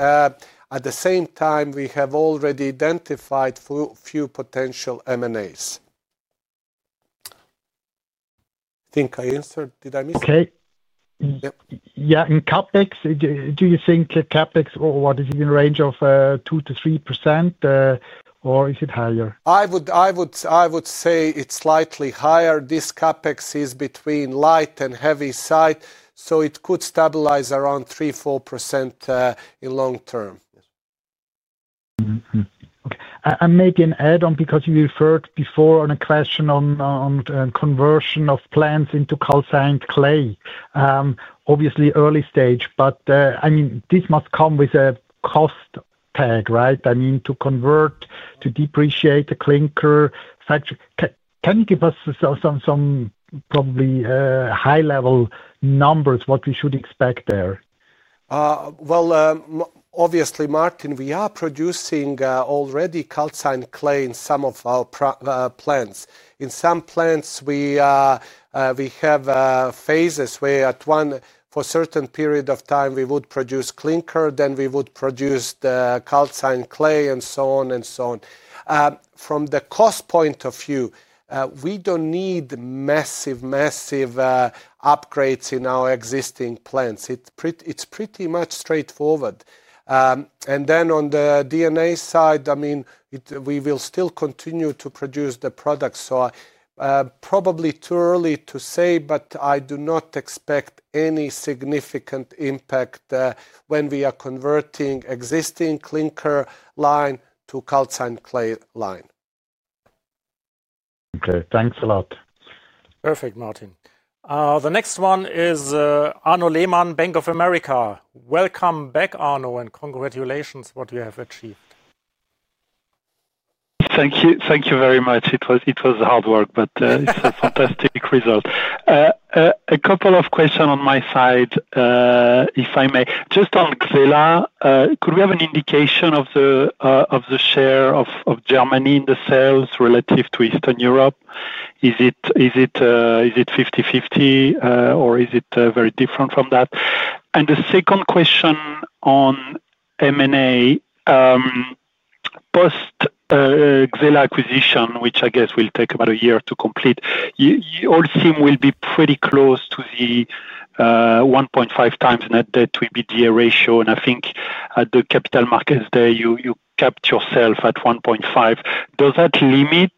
At the same time, we have already identified a few potential M&As. I think I answered. Did I miss it? Okay. Yeah, in CapEx, do you think CapEx or what is in the range of 2%-3%, or is it higher? I would say it's slightly higher. This CapEx is between light and heavy side, so it could stabilize around 3%-4% in long term. Okay. Maybe an add-on, because you referred before on a question on conversion of plants into calcined clay. Obviously, early stage, but I mean, this must come with a cost tag, right? I mean, to convert, to depreciate the clinker factor. Can you give us some probably high-level numbers, what we should expect there? Obviously, Martin, we are producing already calcined clay in some of our plants. In some plants, we have phases where at one, for a certain period of time, we would produce clinker, then we would produce the calcined clay, and so on and so on. From the cost point of view, we don't need massive, massive upgrades in our existing plants. It's pretty much straightforward. On the DNA side, I mean, we will still continue to produce the products. Probably too early to say, but I do not expect any significant impact when we are converting existing clinker line to calcined clay line. Okay, thanks a lot. Perfect, Martin. The next one is Arnaud Lehmann, Bank of America. Welcome back, Arnaud, and congratulations on what you have achieved. Thank you. Thank you very much. It was hard work, but it's a fantastic result. A couple of questions on my side, if I may. Just on Xella, could we have an indication of the share of Germany in the sales relative to Eastern Europe? Is it 50/50, or is it very different from that? The second question on M&A, post-Xella acquisition, which I guess will take about a year to complete, you all seem to be pretty close to the 1.5x net debt to EBITDA ratio. I think at the capital markets there, you kept yourself at 1.5x. Does that limit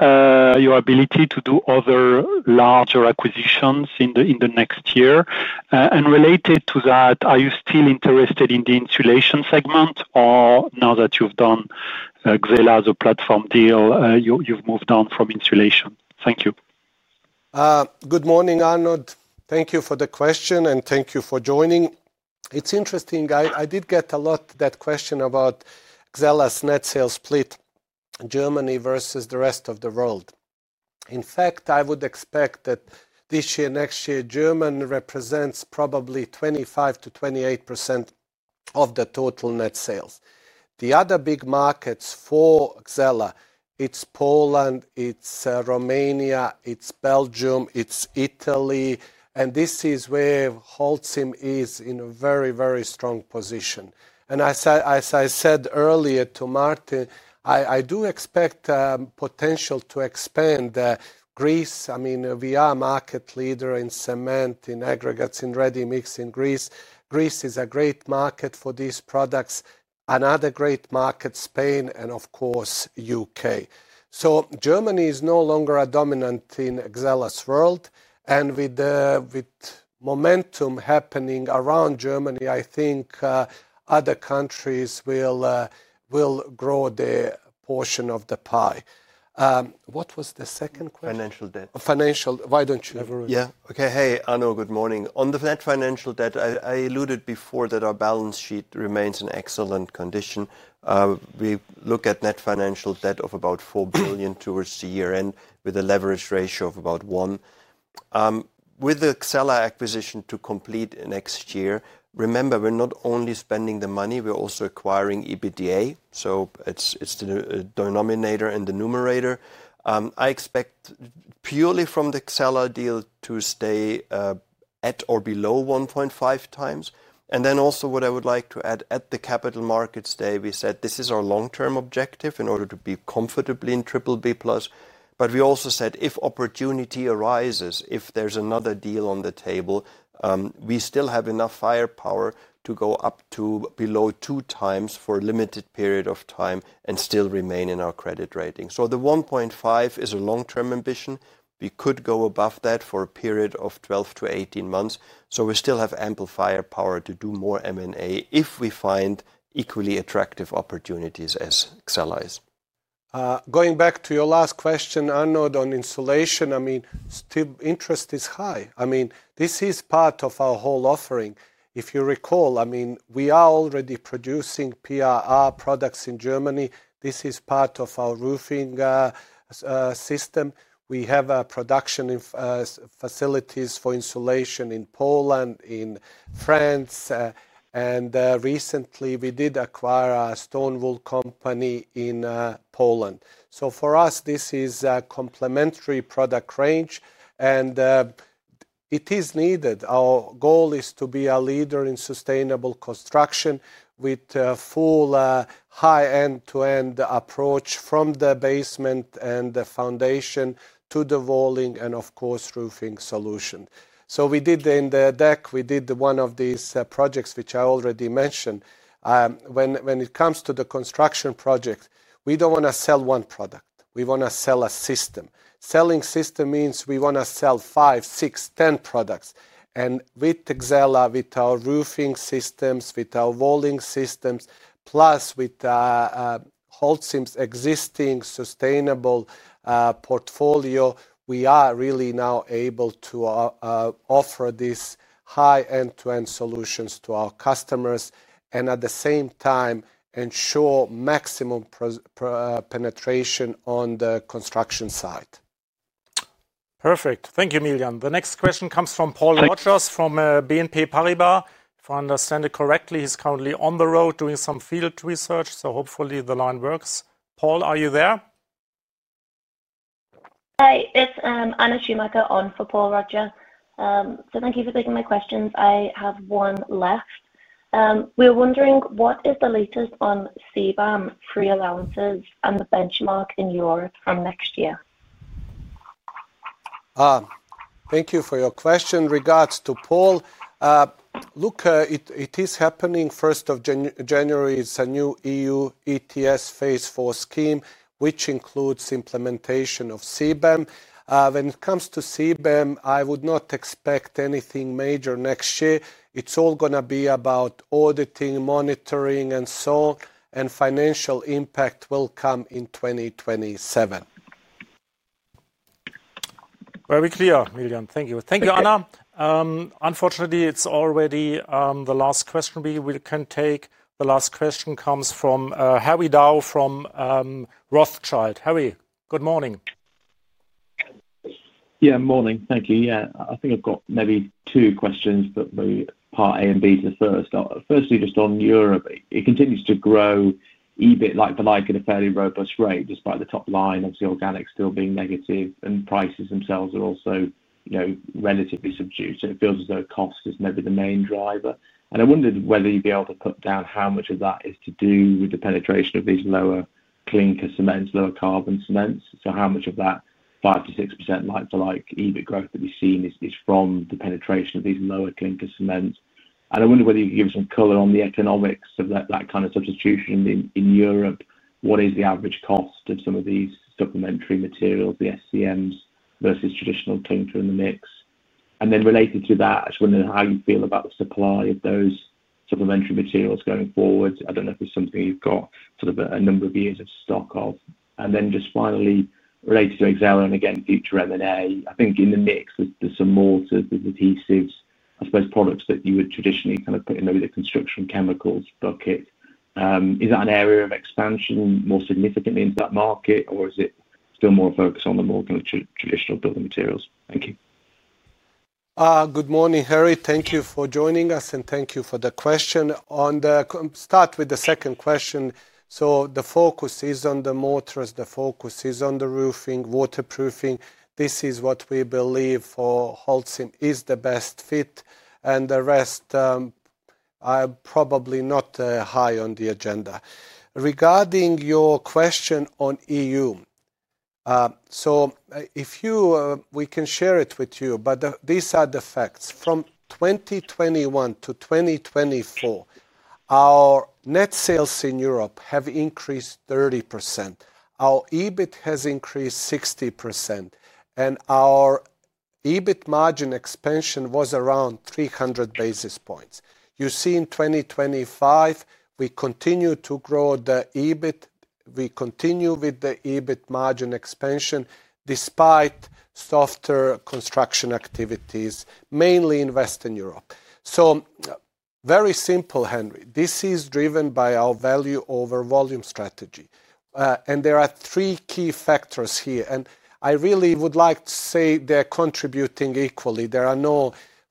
your ability to do other larger acquisitions in the next year? Related to that, are you still interested in the insulation segment, or now that you've done Xella as a platform deal, you've moved on from insulation? Thank you. Good morning, Arnaud. Thank you for the question, and thank you for joining. It's interesting. I did get a lot of that question about Xella's net sales split in Germany versus the rest of the world. In fact, I would expect that this year, next year, Germany represents probably 25%-28% of the total net sales. The other big markets for Xella, it's Poland, it's Romania, it's Belgium, it's Italy, and this is where Holcim is in a very, very strong position. As I said earlier to Martin, I do expect the potential to expand Greece. I mean, we are a market leader in cement, in aggregates, in ready mix in Greece. Greece is a great market for these products. Another great market, Spain, and of course, U.K. Germany is no longer dominant in Xella's world, and with momentum happening around Germany, I think other countries will grow their portion of the pie. What was the second question? Financial debt. Financial, why don't you? Yeah, okay. Hey Arnaud, good morning. On the net financial debt, I alluded before that our balance sheet remains in excellent condition. We look at net financial debt of about 4 billion towards the year end with a leverage ratio of about 1x. With the Xella acquisition to complete next year, remember we're not only spending the money, we're also acquiring EBITDA. It's the denominator and the numerator. I expect purely from the Xella deal to stay at or below 1.5x. Also, what I would like to add, at the Capital Markets Day, we said this is our long-term objective in order to be comfortably in BBB+. We also said if opportunity arises, if there's another deal on the table, we still have enough firepower to go up to below 2x for a limited period of time and still remain in our credit rating. The 1.5x is a long-term ambition. We could go above that for a period of 12-18 months. We still have ample firepower to do more M&A if we find equally attractive opportunities as Xella is. Going back to your last question, Arnaud, on insulation, interest is still high. This is part of our whole offering. If you recall, we are already producing PIR products in Germany. This is part of our roofing system. We have production facilities for insulation in Poland, in France, and recently we did acquire a stone wool company in Poland. For us, this is a complementary product range, and it is needed. Our goal is to be a leader in sustainable construction with a full high end-to-end approach from the basement and the foundation to the roofing and of course roofing solution. We did in the deck, we did one of these projects which I already mentioned. When it comes to the construction project, we don't want to sell one product. We want to sell a system. Selling system means we want to sell five, six, 10 products. With Xella, with our roofing systems, with our insulation systems, plus with Holcim's existing sustainable portfolio, we are really now able to offer these high end-to-end solutions to our customers and at the same time ensure maximum penetration on the construction site. Perfect. Thank you, Miljan. The next question comes from Paul Rogers from BNP Paribas. If I understand it correctly, he's currently on the road doing some field research, so hopefully the line works. Paul, are you there? Hi, it's Anna Schumacher on for Paul Rogers. Thank you for taking my questions. I have one left. We're wondering what is the latest on CBAM free allowances and the benchmark in Europe from next year? Thank you for your question. Regards to Paul, look, it is happening January 1. It's a new E.U. ETS phase four scheme, which includes implementation of CBAM. When it comes to CBAM, I would not expect anything major next year. It's all going to be about auditing, monitoring, and so on, and financial impact will come in 2027. Very clear, Miljan. Thank you. Thank you, Anna. Unfortunately, it's already the last question we can take. The last question comes from Harry Dow from Rothschild. Harry, good morning. Yeah, morning. Thank you. I think I've got maybe two questions, but maybe part A and B to first. Firstly, just on Europe, it continues to grow EBIT at a fairly robust rate, despite the top line of the organics still being. Prices themselves are also, you know, relatively subdued. It feels as though cost is maybe the main driver. I wondered whether you'd be able to put down how much of that is to do with the penetration of these lower clinker cements, lower carbon cements. How much of that 5%-6% like-for-like EBIT growth that we've seen is from the penetration of these lower clinker cements? I wonder whether you could give us some color on the economics of that kind of substitution in Europe. What is the average cost of some of these supplementary materials, the SCMs, versus traditional clinker in the mix? Related to that, I just wondered how you feel about the supply of those supplementary materials going forward. I don't know if it's something you've got sort of a number of years of stock of. Finally, related to Xella and again, future M&A, I think in the mix there's some mortars, there's adhesives, I suppose products that you would traditionally kind of put in maybe the construction chemicals bucket. Is that an area of expansion more significantly into that market, or is it still more focused on the more kind of traditional Building Materials? Thank you. Good morning, Harry. Thank you for joining us and thank you for the question. I'll start with the second question. The focus is on the mortars, the focus is on the roofing, waterproofing. This is what we believe for Holcim is the best fit. The rest are probably not high on the agenda. Regarding your question on E.U., we can share it with you, but these are the facts. From 2021 to 2024, our net sales in Europe have increased 30%. Our EBIT has increased 60%. Our EBIT margin expansion was around 300 basis points. You see, in 2025, we continue to grow the EBIT. We continue with the EBIT margin expansion despite softer construction activities, mainly in Western Europe. Very simple, Harry. This is driven by our value over volume strategy. There are three key factors here. I really would like to say they're contributing equally.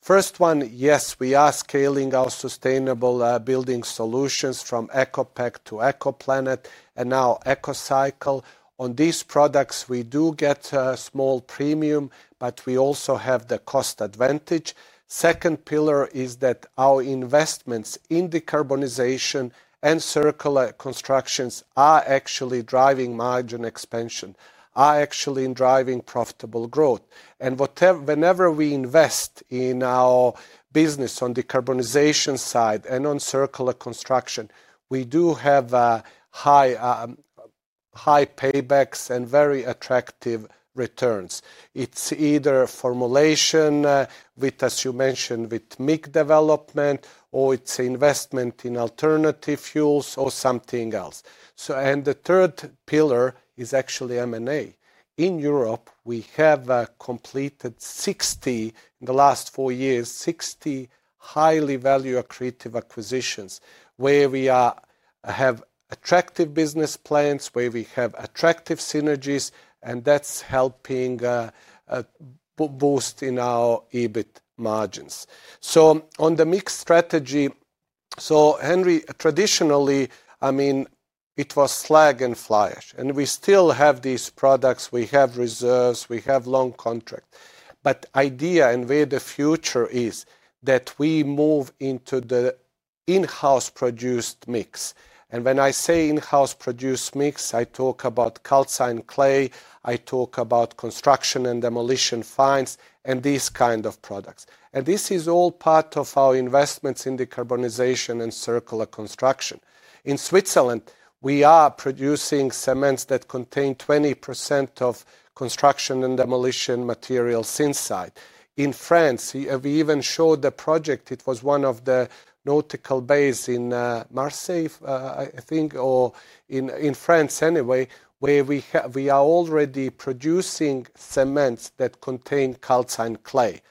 First one, yes, we are scaling our sustainable Building Solutions from ECOPact to ECOPlanet and now ECOCycle. On these products, we do get a small premium, but we also have the cost advantage. Second pillar is that our investments in decarbonization and circular construction are actually driving margin expansion, are actually driving profitable growth. Whenever we invest in our business on decarbonization side and on circular construction, we do have high paybacks and very attractive returns. It's either formulation with, as you mentioned, with MIG development, or it's investment in alternative fuels or something else. The third pillar is actually M&A. In Europe, we have completed 60 in the last four years, 60 highly value accretive acquisitions where we have attractive business plans, where we have attractive synergies, and that's helping boost in our EBIT margins. On the mix strategy, Harry, traditionally, it was slag and fly ash. We still have these products. We have reserves. We have long contracts. The idea and where the future is that we move into the in-house produced mix. When I say in-house produced mix, I talk about calcined clay, I talk about construction and demolition fines, and these kinds of products. This is all part of our investments in decarbonization and circular construction. In Switzerland, we are producing cements that contain 20% of construction and demolition materials inside. In France, we even showed the project. It was one of the nautical bays in Marseille, I think, or in France anyway, where we are already producing cements that contain calcined clay.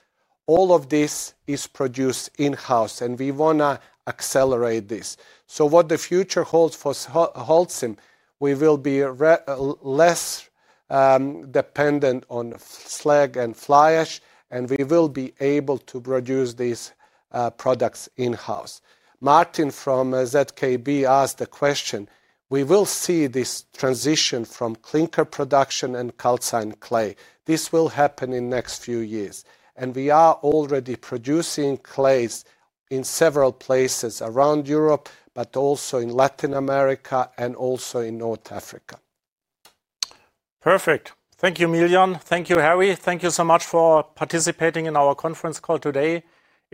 All of this is produced in-house, and we want to accelerate this. What the future holds for Holcim is that we will be less dependent on slag and fly ash, and we will be able to produce these products in-house. Martin from Zürcher Kantonalbank asked the question, we will see this transition from clinker production and calcined clay. This will happen in the next few years. We are already producing clays in several places around Europe, but also in Latin America and also in North Africa. Perfect. Thank you, Miljan. Thank you, Harry. Thank you so much for participating in our conference call today.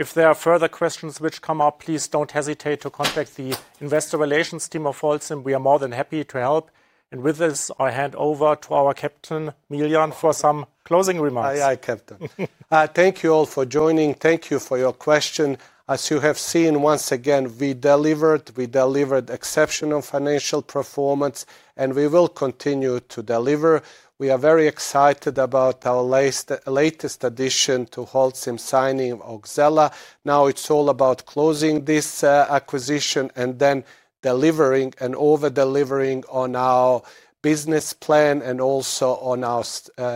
If there are further questions which come up, please don't hesitate to contact the investor relations team of Holcim. We are more than happy to help. With this, I hand over to our captain, Miljan, for some closing remarks. Thank you all for joining. Thank you for your question. As you have seen, once again, we delivered. We delivered exceptional financial performance, and we will continue to deliver. We are very excited about our latest addition to Holcim signing, Xella. Now it's all about closing this acquisition and then delivering and over-delivering on our business plan and also on our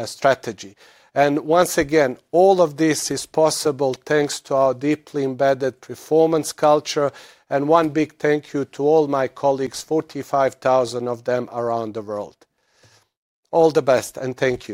strategy. All of this is possible thanks to our deeply embedded performance culture. One big thank you to all my colleagues, 45,000 of them around the world. All the best, and thank you.